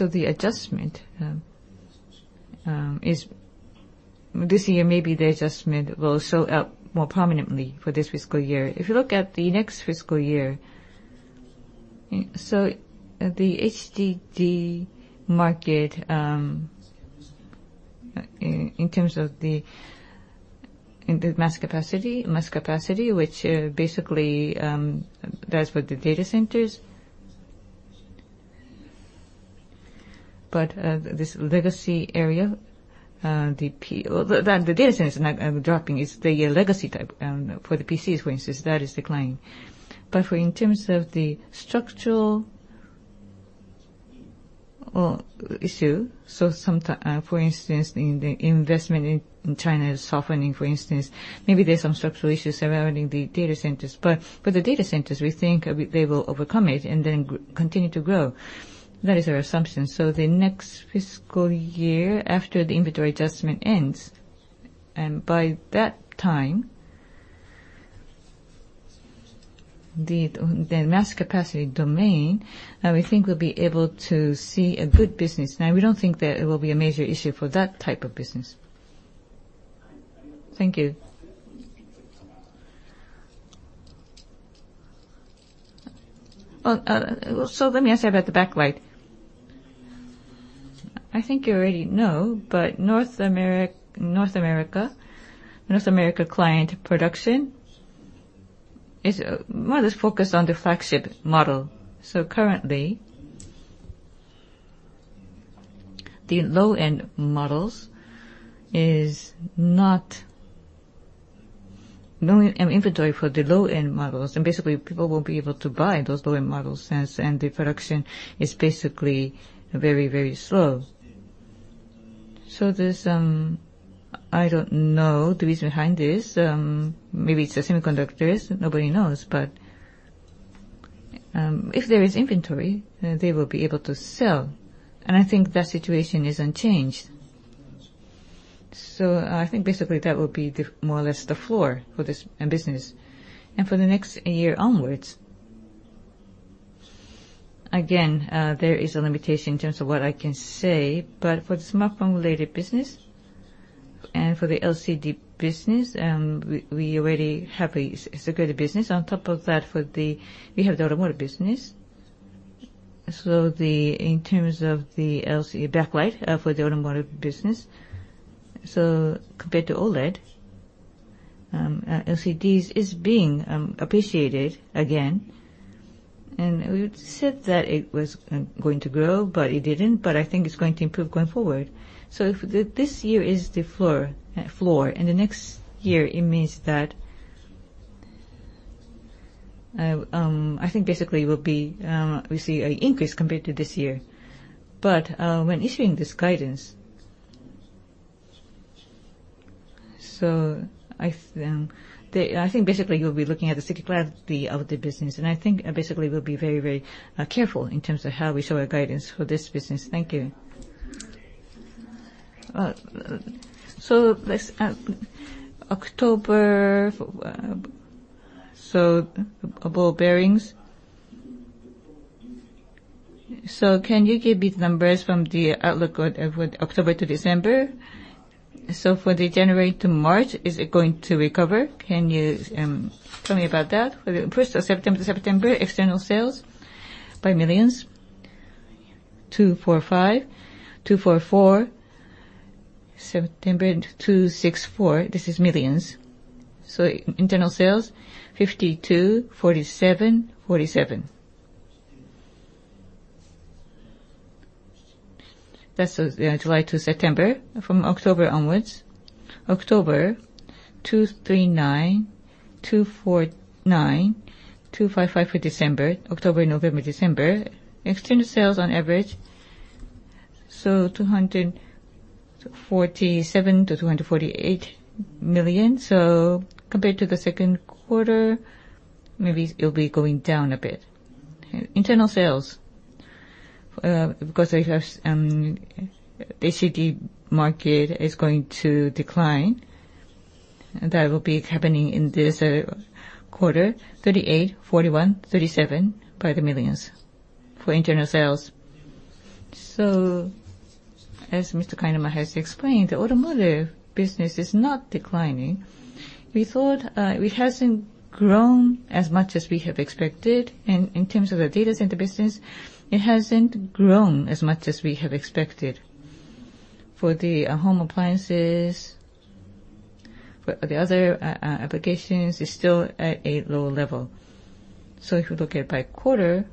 The adjustment is this year, maybe the adjustment will show up more prominently for this fiscal year. If you look at the next fiscal year, the HDD market, in terms of the mass capacity, which basically that's for the data centers. The data center is not dropping, it's the legacy type. For the PCs, for instance, that is declining. For in terms of the structural issue, for instance, in the investment in China is softening, for instance. Maybe there's some structural issues surrounding the data centers. For the data centers, we think a bit they will overcome it and then continue to grow. That is our assumption. The next fiscal year after the inventory adjustment ends, and by that time, the mass capacity domain, we think we'll be able to see a good business. Now we don't think that it will be a major issue for that type of business. Thank you. Let me ask you about the backlight. I think you already know, but North America client production is more or less focused on the flagship model. Currently, the low-end models is not... No inventory for the low-end models. Basically people won't be able to buy those low-end models, and the production is basically very, very slow. There's I don't know the reason behind this. Maybe it's the semiconductors. Nobody knows. If there is inventory, then they will be able to sell. I think that situation is unchanged. I think basically that will be more or less the floor for this business. For the next year onwards, again, there is a limitation in terms of what I can say. For the smartphone-related business and for the LCD business, we already have secured the business. On top of that, we have the automotive business. In terms of the LCD backlight for the automotive business, compared to OLED, LCDs is being appreciated again. We said that it was going to grow, but it didn't, but I think it's going to improve going forward. If this year is the floor, and the next year it means that, I think basically we'll be, we see a increase compared to this year. But when issuing this guidance, I think basically you'll be looking at the cyclicality of the business. I think basically we'll be very careful in terms of how we show our guidance for this business. Thank you. October, ball bearings. Can you give me the numbers from the outlook for October to December? For the January to March, is it going to recover? Can you tell me about that? For July to September, external sales in millions, 245, 244, 264. This is millions. Internal sales, 52, 47. That's July to September. From October onwards, October 239, November 249, December 255. External sales on average, so 247 million-248 million. Compared to the second quarter, maybe it'll be going down a bit. Internal sales, because they have, HDD market is going to decline, and that will be happening in this quarter, 38, 41, 37 in millions for internal sales. As Mr. Kainuma has explained, the automotive business is not declining. We thought it hasn't grown as much as we have expected. In terms of the data center business, it hasn't grown as much as we have expected. For the home appliances, for the other applications, it's still at a low level. If you look at by quarter,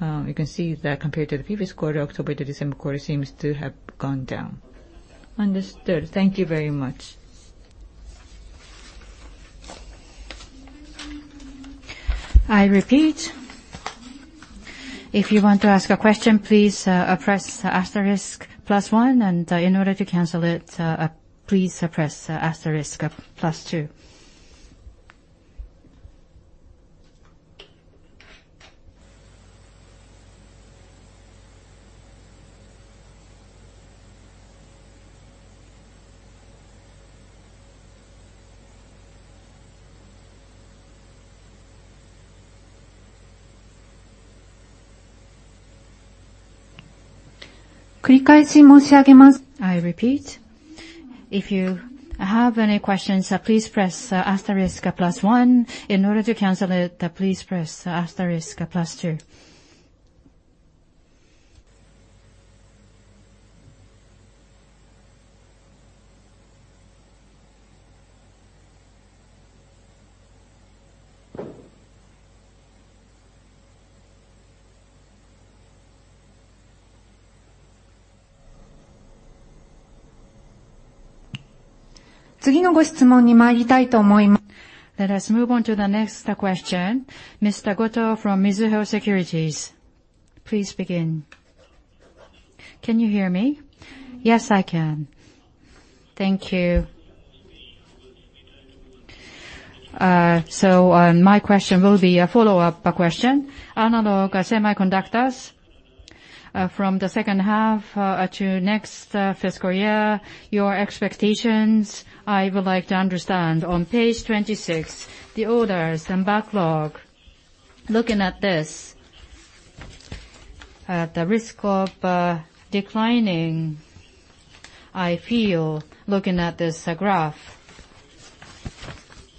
you can see that compared to the previous quarter, October to December quarter seems to have gone down. Understood. Thank you very much. I repeat, if you want to ask a question, please, press asterisk plus one. In order to cancel it, please press asterisk plus two. I repeat, if you have any questions, please press asterisk plus one. In order to cancel it, please press asterisk plus two. Let us move on to the next question. Mr. Goto from Mizuho Securities, please begin. Can you hear me? Yes, I can. Thank you. My question will be a follow-up question. Analog semiconductors from the second half to next fiscal year, your expectations, I would like to understand. On page 26, the orders and backlog, looking at this, at the risk of declining, I feel, looking at this graph.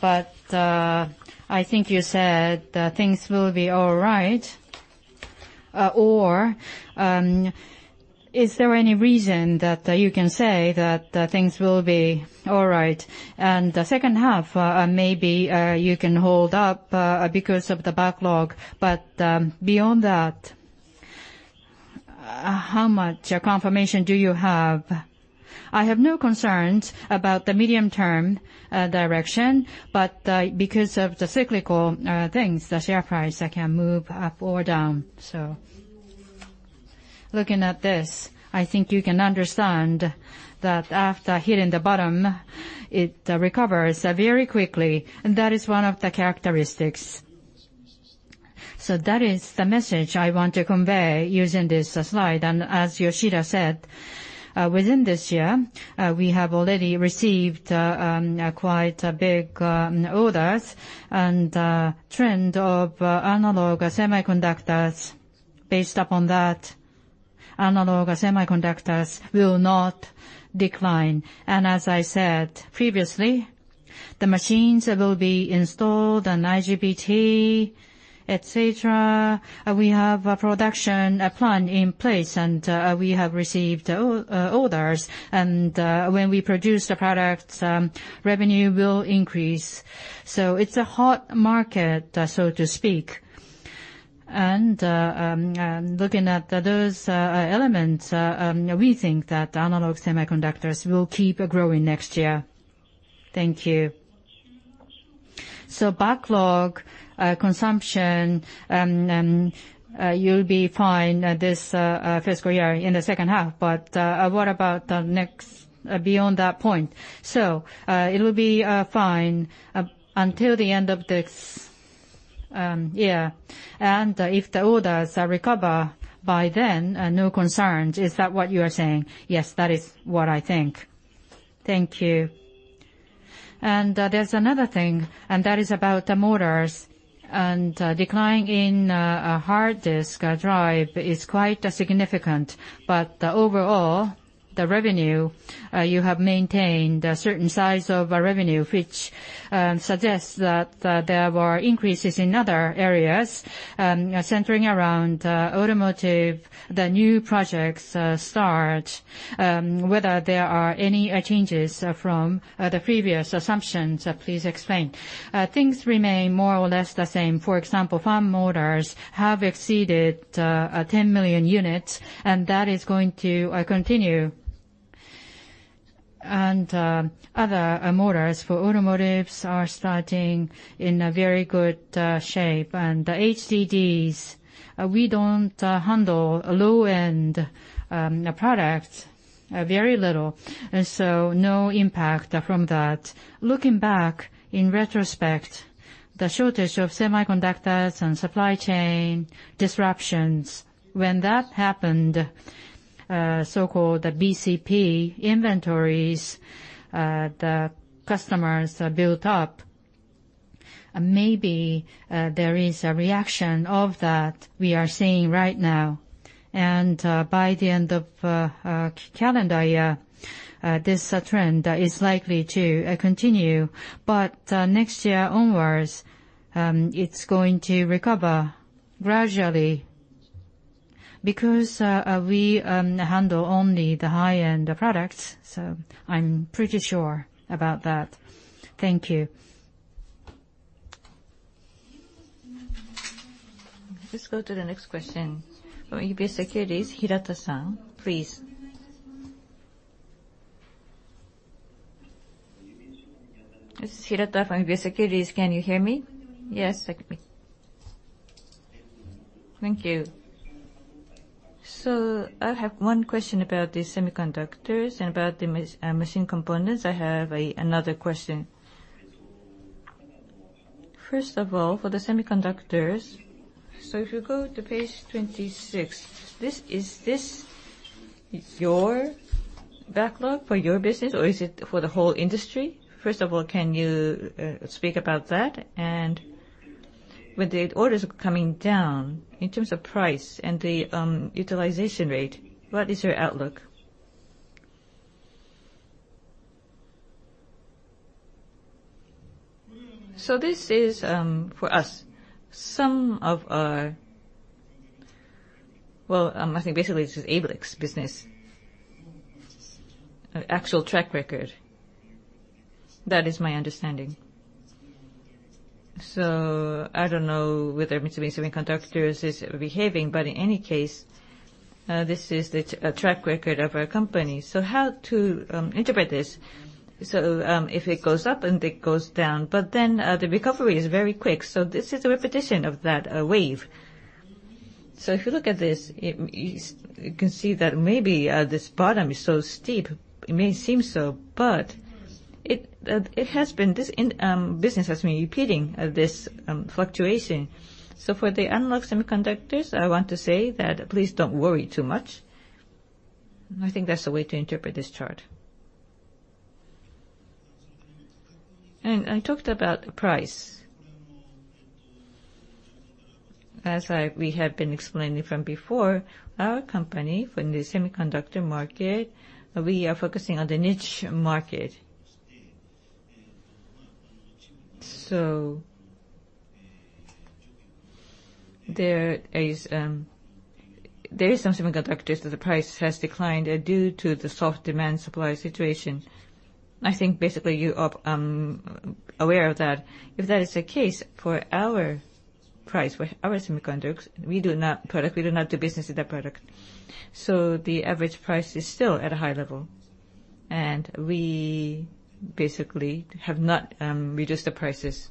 I think you said that things will be all right. Is there any reason that you can say that things will be all right? The second half, maybe you can hold up because of the backlog, but beyond that, how much confirmation do you have? I have no concerns about the medium-term direction, but because of the cyclical things, the share price can move up or down. Looking at this, I think you can understand that after hitting the bottom, it recovers very quickly, and that is one of the characteristics. That is the message I want to convey using this slide. As Yoshida said, within this year, we have already received quite big orders and trend of analog semiconductors. Based upon that, analog semiconductors will not decline. As I said previously, the machines that will be installed on IGBT, et cetera, we have a production plan in place, and we have received orders. When we produce the products, revenue will increase. It's a hot market, so to speak. Looking at those elements, we think that analog semiconductors will keep growing next year. Thank you. Backlog consumption, you'll be fine this fiscal year in the second half, but what about the next beyond that point? It'll be fine until the end of this year. If the orders recover by then, no concerns. Is that what you are saying? Yes, that is what I think. Thank you. There's another thing, and that is about the motors, and decline in hard disk drive is quite significant. Overall, the revenue, you have maintained a certain size of a revenue, which suggests that there were increases in other areas, centering around automotive, the new projects start, whether there are any changes from the previous assumptions, please explain. Things remain more or less the same. For example, fan motors have exceeded 10 million units, and that is going to continue. Other motors for automotive are starting in a very good shape. The HDDs, we don't handle low-end products, very little, and so no impact from that. Looking back, in retrospect, the shortage of semiconductors and supply chain disruptions, when that happened, so-called the BCP inventories, the customers built up. Maybe there is a reaction of that we are seeing right now. By the end of calendar year, this trend is likely to continue. Next year onwards, it's going to recover gradually because we handle only the high-end products, so I'm pretty sure about that. Thank you. Let's go to the next question from UBS Securities, Hirata-san, please. This is Hirata from UBS Securities. Can you hear me? Yes, I can hear. Thank you. I have one question about the semiconductors and about the machine components, I have another question. First of all, for the semiconductors, if you go to page 26, is this your backlog for your business, or is it for the whole industry? First of all, can you speak about that? With the orders coming down, in terms of price and the utilization rate, what is your outlook? This is for us. I think basically it's just ABLIC business. Actual track record. That is my understanding. I don't know whether Mitsumi Electric is behaving, but in any case, this is the track record of our company. How to interpret this, if it goes up and it goes down, but then the recovery is very quick. This is a repetition of that wave. If you look at this, you can see that maybe this bottom is so steep, it may seem so, but it has been this business has been repeating this fluctuation. For the analog semiconductors, I want to say that please don't worry too much. I think that's the way to interpret this chart. I talked about price. As we have been explaining from before, our company for the semiconductor market, we are focusing on the niche market. There is some semiconductors that the price has declined due to the soft demand supply situation. I think basically you are aware of that. If that is the case for our price, for our semiconductors, we do not do business with that product. The average price is still at a high level, and we basically have not reduced the prices.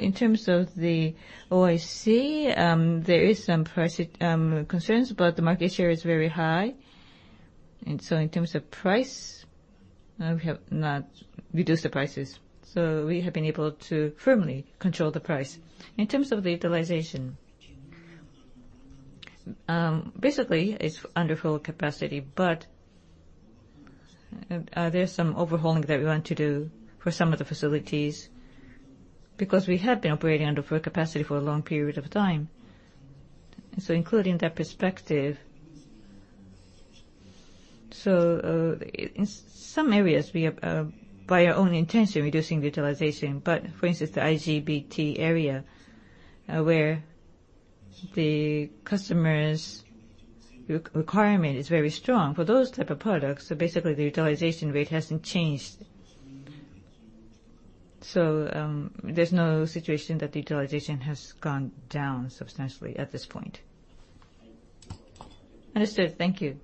In terms of the OIS, there is some price concerns, but the market share is very high. In terms of price, we have not reduced the prices, so we have been able to firmly control the price. In terms of the utilization, basically it's under full capacity, but there's some overhauling that we want to do for some of the facilities because we have been operating under full capacity for a long period of time. Including that perspective, in some areas we are, by our own intention, reducing the utilization. For instance, the IGBT area, where the customer's requirement is very strong for those type of products, so basically the utilization rate hasn't changed. There's no situation that the utilization has gone down substantially at this point. Understood. Thank you.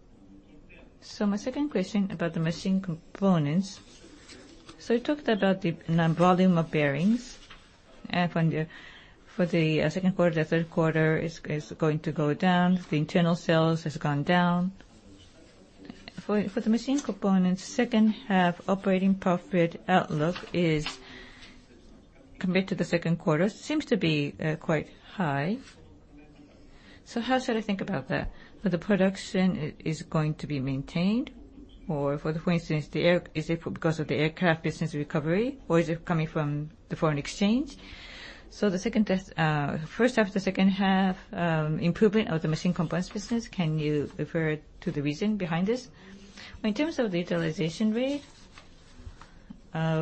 My second question about the machine components. You talked about the volume of bearings, for the second quarter. The third quarter is going to go down. The internal sales has gone down. For the machine components, second half operating profit outlook is, compared to the second quarter, seems to be quite high. So how should I think about that? For the production is going to be maintained or for the, for instance, is it because of the aircraft business recovery or is it coming from the foreign exchange? So the second half, first half, the second half improvement of the machine components business, can you refer to the reason behind this? In terms of the utilization rate,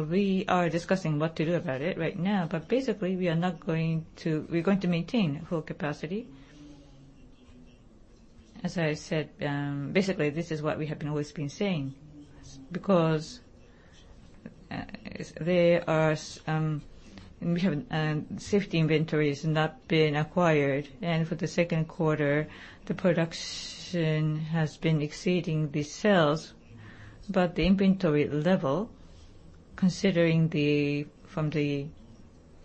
we are discussing what to do about it right now. Basically, we are going to maintain full capacity. As I said, basically this is what we have always been saying, because we have safety inventories not been acquired. For the second quarter, the production has been exceeding the sales. The inventory level, considering. We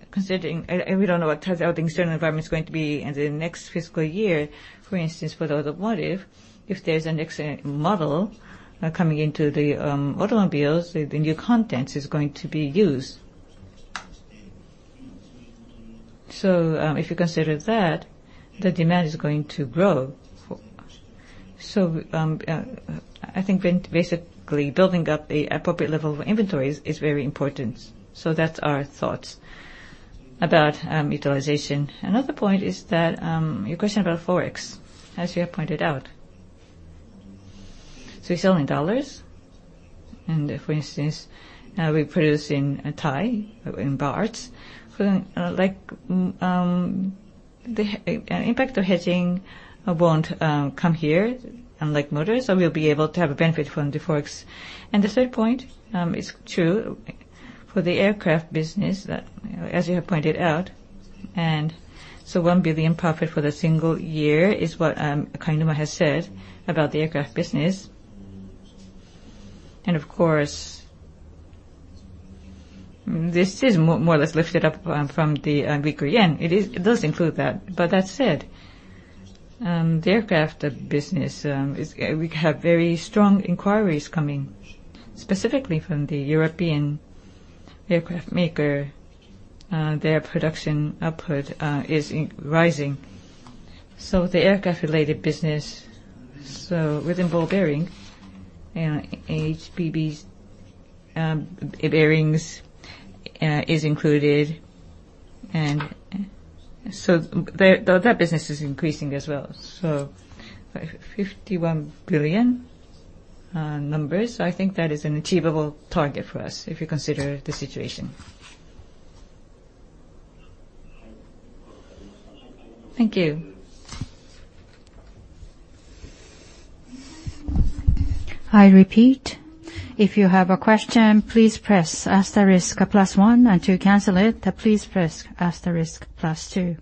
don't know what the external environment is going to be in the next fiscal year, for instance, for the automotive, if there's an excellent model coming into the automobiles, the new content is going to be used. If you consider that, the demand is going to grow. I think basically building up the appropriate level of inventories is very important. That's our thoughts about utilization. Another point is that, your question about Forex, as you have pointed out. We sell in dollars, and for instance, now we produce in Thai, in bahts. Like, the impact of hedging won't come here unlike motors, so we'll be able to have a benefit from the Forex. The third point is true for the aircraft business, as you have pointed out. One billion profit for the single year is what Kainuma has said about the aircraft business. Of course, this is more or less lifted up from the weaker yen. It is, it does include that. But that said, the aircraft business is we have very strong inquiries coming specifically from the European aircraft maker. Their production output is rising. The aircraft-related business, so within ball bearing, NHBB's bearings is included. That business is increasing as well. 51 billion numbers, I think that is an achievable target for us if you consider the situation. Thank you. I repeat, if you have a question, please press asterisk plus one. To cancel it, please press asterisk plus two.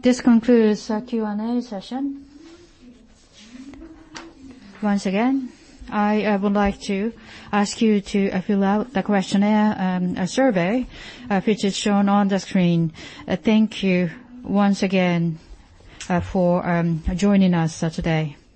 This concludes our Q&A session. Once again, I would like to ask you to fill out the questionnaire, survey, which is shown on the screen. Thank you once again, for joining us today.